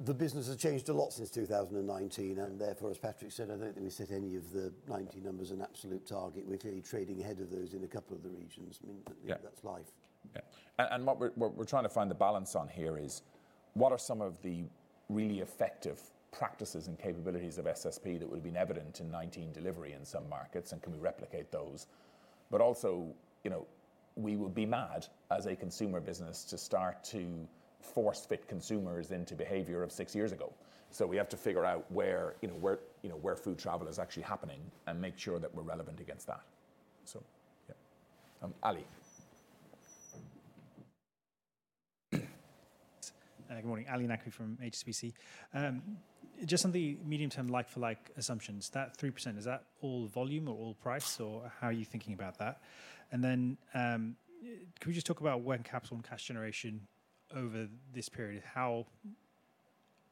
the business has changed a lot since 2019. Therefore, as Patrick said, I don't think we set any of the 2019 numbers as an absolute target. We're clearly trading ahead of those in a couple of the regions. I mean, that's life. Yeah. What we're trying to find the balance on here is what are some of the really effective practices and capabilities of SSP that would have been evident in 2019 delivery in some markets, and can we replicate those. But also, we would be mad as a consumer business to start to force-fit consumers into behavior of six years ago. We have to figure out where food travel is actually happening and make sure that we're relevant against that. Yeah. Ali. Good morning. Ali Naqvi from HSBC. Just on the medium-term like-for-like assumptions, that 3%, is that all volume or all price, or how are you thinking about that? And then can we just talk about working capital and cash generation over this period?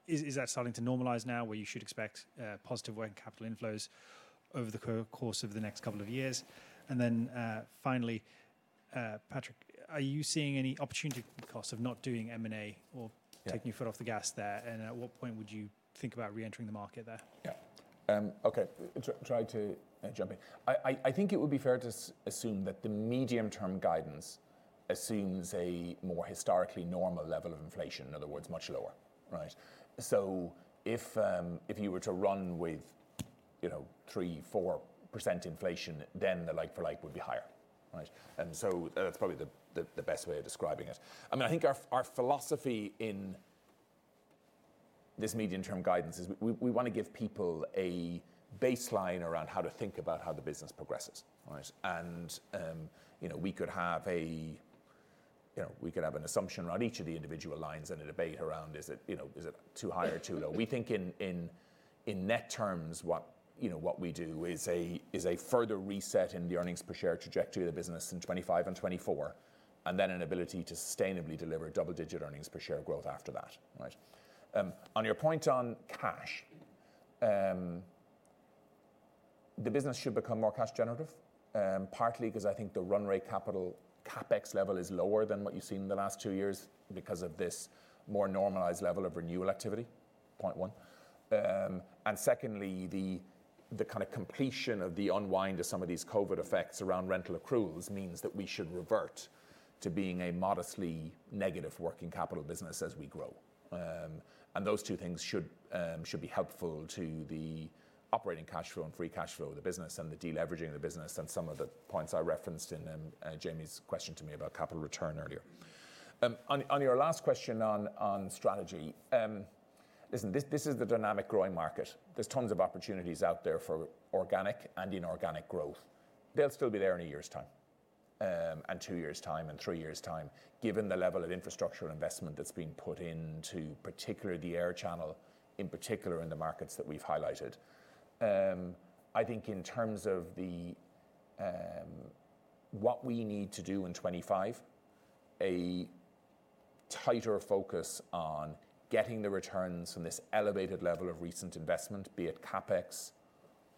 Is that starting to normalize now, where you should expect positive working capital inflows over the course of the next couple of years? And then finally, Patrick, are you seeing any opportunity cost of not doing M&A or taking your foot off the gas there? And at what point would you think about re-entering the market there? Yeah. Okay. Try to jump in. I think it would be fair to assume that the medium-term guidance assumes a more historically normal level of inflation, in other words, much lower, right? So if you were to run with 3% to 4% inflation, then the like-for-like would be higher, right? That's probably the best way of describing it. I mean, I think our philosophy in this medium-term guidance is we want to give people a baseline around how to think about how the business progresses, right? We could have an assumption around each of the individual lines and a debate around, is it too high or too low? We think in net terms, what we do is a further reset in the earnings per share trajectory of the business in 2025 and 2024, and then an ability to sustainably deliver double-digit earnings per share growth after that, right? On your point on cash, the business should become more cash generative, partly because I think the run rate capital CapEx level is lower than what you've seen in the last two years because of this more normalized level of renewal activity, point one. And secondly, the kind of completion of the unwind of some of these COVID effects around rental accruals means that we should revert to being a modestly negative working capital business as we grow. And those two things should be helpful to the operating cash flow and free cash flow of the business and the deleveraging of the business and some of the points I referenced in Jamie's question to me about capital return earlier. On your last question on strategy, listen, this is the dynamic growing market. There's tons of opportunities out there for organic and inorganic growth. They'll still be there in a year's time and two years' time and three years' time, given the level of infrastructure investment that's been put into, particularly the air channel, in particular in the markets that we've highlighted. I think in terms of what we need to do in 25, a tighter focus on getting the returns from this elevated level of recent investment, be it CapEx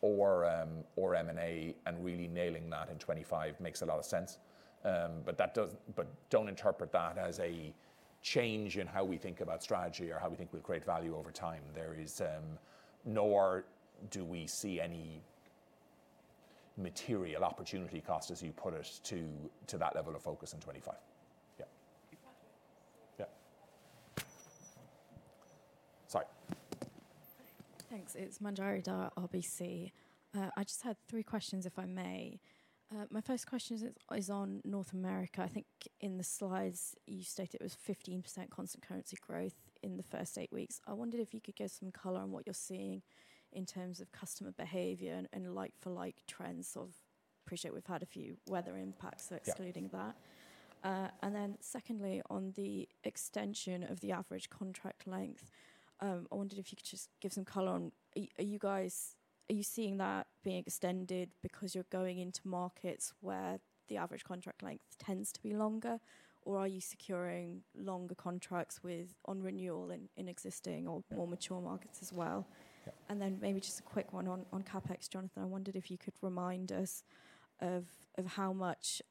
or M&A, and really nailing that in 25 makes a lot of sense. But don't interpret that as a change in how we think about strategy or how we think we'll create value over time. Nor do we see any material opportunity cost, as you put it, to that level of focus in 25. Yeah. Patrick, sorry. Sorry. Thanks. It's Manjari Dhar, RBC. I just had three questions, if I may. My first question is on North America. I think in the slides, you stated it was 15% constant currency growth in the first eight weeks. I wondered if you could give some color on what you're seeing in terms of customer behavior and like-for-like trends. So I appreciate we've had a few weather impacts, so excluding that. And then secondly, on the extension of the average contract length, I wondered if you could just give some color on, are you guys, are you seeing that being extended because you're going into markets where the average contract length tends to be longer? Or are you securing longer contracts on renewal in existing or more mature markets as well? And then maybe just a quick one on CapEx. Jonathan, I wondered if you could remind us of how much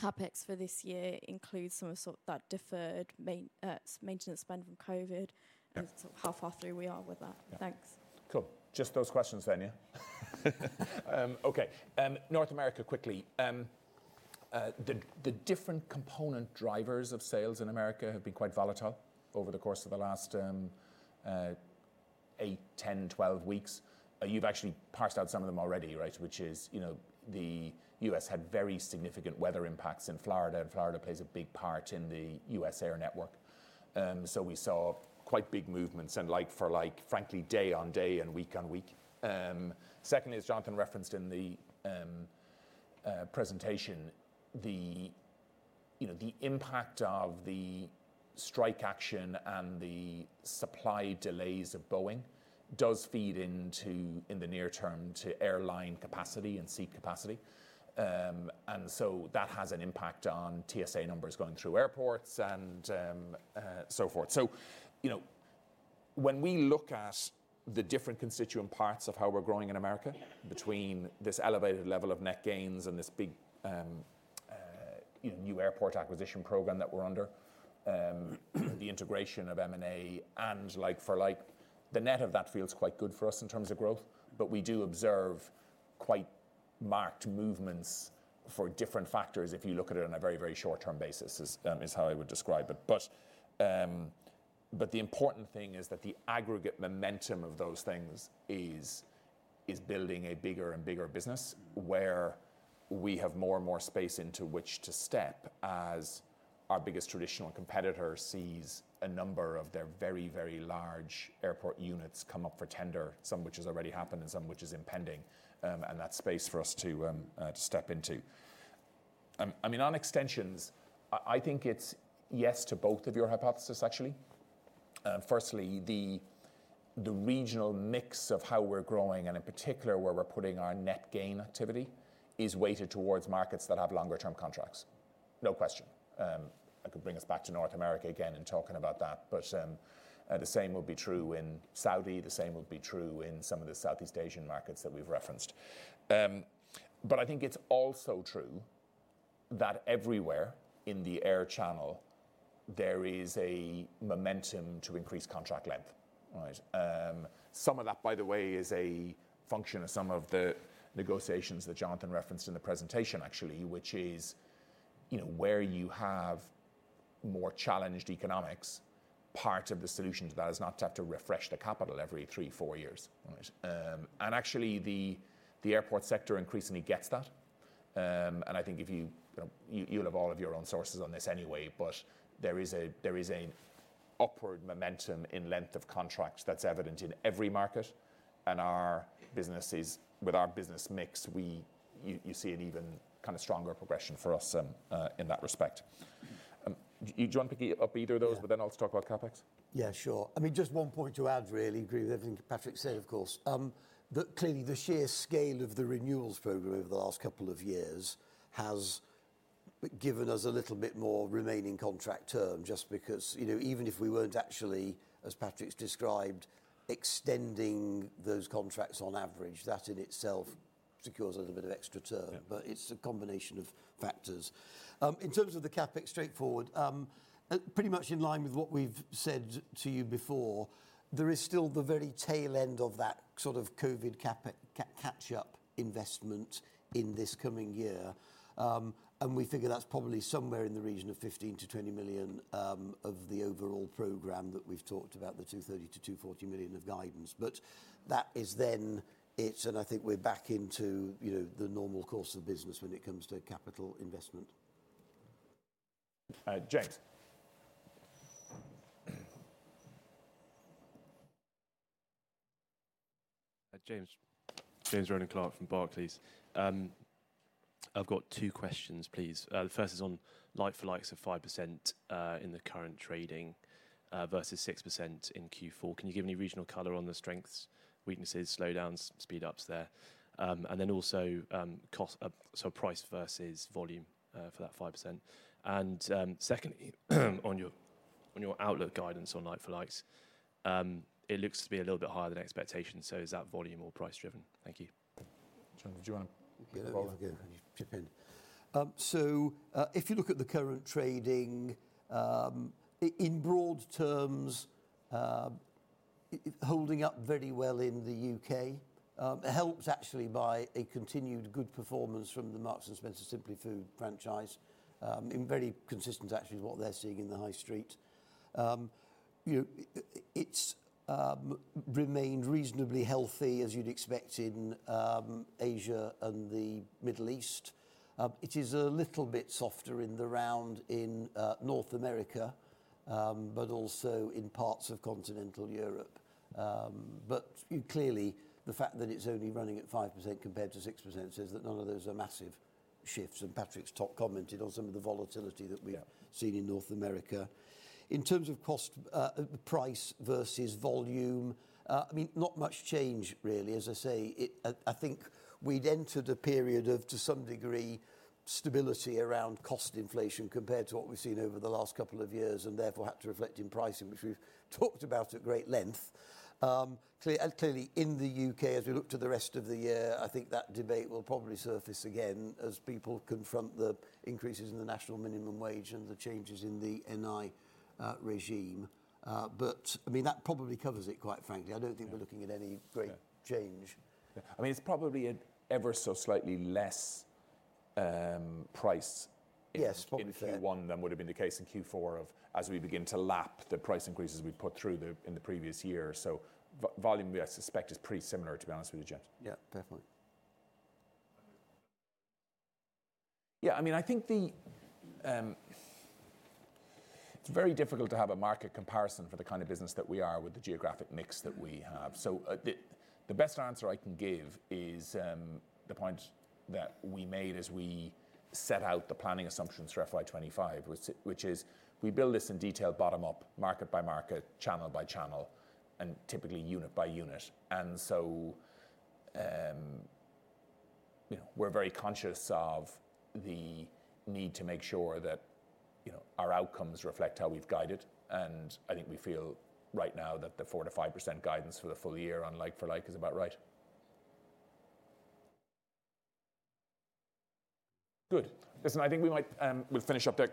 CapEx for this year includes some of that deferred maintenance spend from COVID and how far through we are with that. Thanks. Cool. Just those questions, then, yeah? Okay. North America, quickly. The different component drivers of sales in America have been quite volatile over the course of the last eight, 10, 12 weeks. You've actually parsed out some of them already, right? Which is the U.S. had very significant weather impacts in Florida, and Florida plays a big part in the U.S. air network. So we saw quite big movements and like-for-like, frankly, day on day and week on week. Secondly, as Jonathan referenced in the presentation, the impact of the strike action and the supply delays of Boeing does feed into the near term to airline capacity and seat capacity. And so that has an impact on TSA numbers going through airports and so forth. So when we look at the different constituent parts of how we're growing in America between this elevated level of net gains and this big new airport acquisition program that we're under, the integration of M&A and like-for-like, the net of that feels quite good for us in terms of growth. But we do observe quite marked movements for different factors if you look at it on a very, very short-term basis, is how I would describe it. But the important thing is that the aggregate momentum of those things is building a bigger and bigger business where we have more and more space into which to step as our biggest traditional competitor sees a number of their very, very large airport units come up for tender, some which has already happened and some which is impending, and that's space for us to step into. I mean, on extensions, I think it's yes to both of your hypotheses, actually. Firstly, the regional mix of how we're growing and in particular where we're putting our net gain activity is weighted towards markets that have longer-term contracts. No question. That could bring us back to North America again and talking about that. But the same would be true in Saudi. The same would be true in some of the Southeast Asian markets that we've referenced. But I think it's also true that everywhere in the airport channel, there is a momentum to increase contract length, right? Some of that, by the way, is a function of some of the negotiations that Jonathan referenced in the presentation, actually, which is where you have more challenged economics. Part of the solution to that is not to have to refresh the capital every three, four years, right? And actually, the airport sector increasingly gets that. And I think you'll have all of your own sources on this anyway, but there is an upward momentum in length of contracts that's evident in every market. And with our business mix, you see an even kind of stronger progression for us in that respect. Do you want to pick up either of those, but then I'll talk about CapEx? Yeah, sure. I mean, just one point to add, really. I agree with everything Patrick said, of course. But clearly, the sheer scale of the renewals program over the last couple of years has given us a little bit more remaining contract term just because even if we weren't actually, as Patrick's described, extending those contracts on average, that in itself secures a little bit of extra term. But it's a combination of factors. In terms of the CapEx, straightforward, pretty much in line with what we've said to you before, there is still the very tail end of that sort of COVID catch-up investment in this coming year. And we figure that's probably somewhere in the region of 15 to 20 million of the overall program that we've talked about, the 230 to 240 million of guidance. But that is then it, and I think we're back into the normal course of business when it comes to capital investment. James. James Rowland Clark from Barclays. I've got two questions, please. The first is on like-for-likes of 5% in the current trading versus 6% in Q4. Can you give any regional color on the strengths, weaknesses, slowdowns, speed-ups there? And then also cost, so price versus volume for that 5%. And secondly, on your outlook guidance on like-for-likes, it looks to be a little bit higher than expectations. So is that volume or price driven? Thank you. John, if you want to get involved again, you can chip in. So if you look at the current trading, in broad terms, it's holding up very well in the U.K, helped actually by a continued good performance from the Marks and Spencer Simply Food franchise, very consistent actually with what they're seeing in the high street. It's remained reasonably healthy, as you'd expect in Asia and the Middle East. It is a little bit softer all round in North America, but also in parts of Continental Europe. But clearly, the fact that it's only running at 5% compared to 6% says that none of those are massive shifts. And Patrick just commented on some of the volatility that we've seen in North America. In terms of price versus volume, I mean, not much change, really. As I say, I think we'd entered a period of, to some degree, stability around cost inflation compared to what we've seen over the last couple of years and therefore had to reflect in pricing, which we've talked about at great length. Clearly, in the U.K, as we look to the rest of the year, I think that debate will probably surface again as people confront the increases in the national minimum wage and the changes in the NI regime. But I mean, that probably covers it, quite frankly. I don't think we're looking at any great change. I mean, it's probably ever so slightly less price in Q1 than would have been the case in Q4 of as we begin to lap the price increases we've put through in the previous year. So volume, I suspect, is pretty similar, to be honest with you, James. Yeah, definitely. Yeah, I mean, I think it's very difficult to have a market comparison for the kind of business that we are with the geographic mix that we have. So the best answer I can give is the point that we made as we set out the planning assumptions for FY25, which is we build this in detail, bottom-up, market by market, channel by channel, and typically unit by unit. And so we're very conscious of the need to make sure that our outcomes reflect how we've guided. And I think we feel right now that the 4% to 5% guidance for the full year on like-for-like is about right. Good. Listen, I think we might finish up there.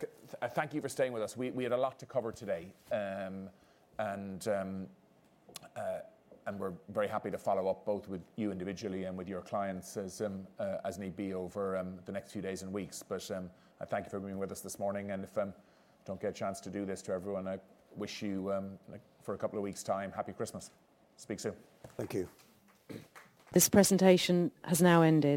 Thank you for staying with us. We had a lot to cover today. And we're very happy to follow up both with you individually and with your clients as need be over the next few days and weeks. But thank you for being with us this morning. And if you don't get a chance to do this to everyone, I wish you, for a couple of weeks' time, happy Christmas. Speak soon. Thank you. This presentation has now ended.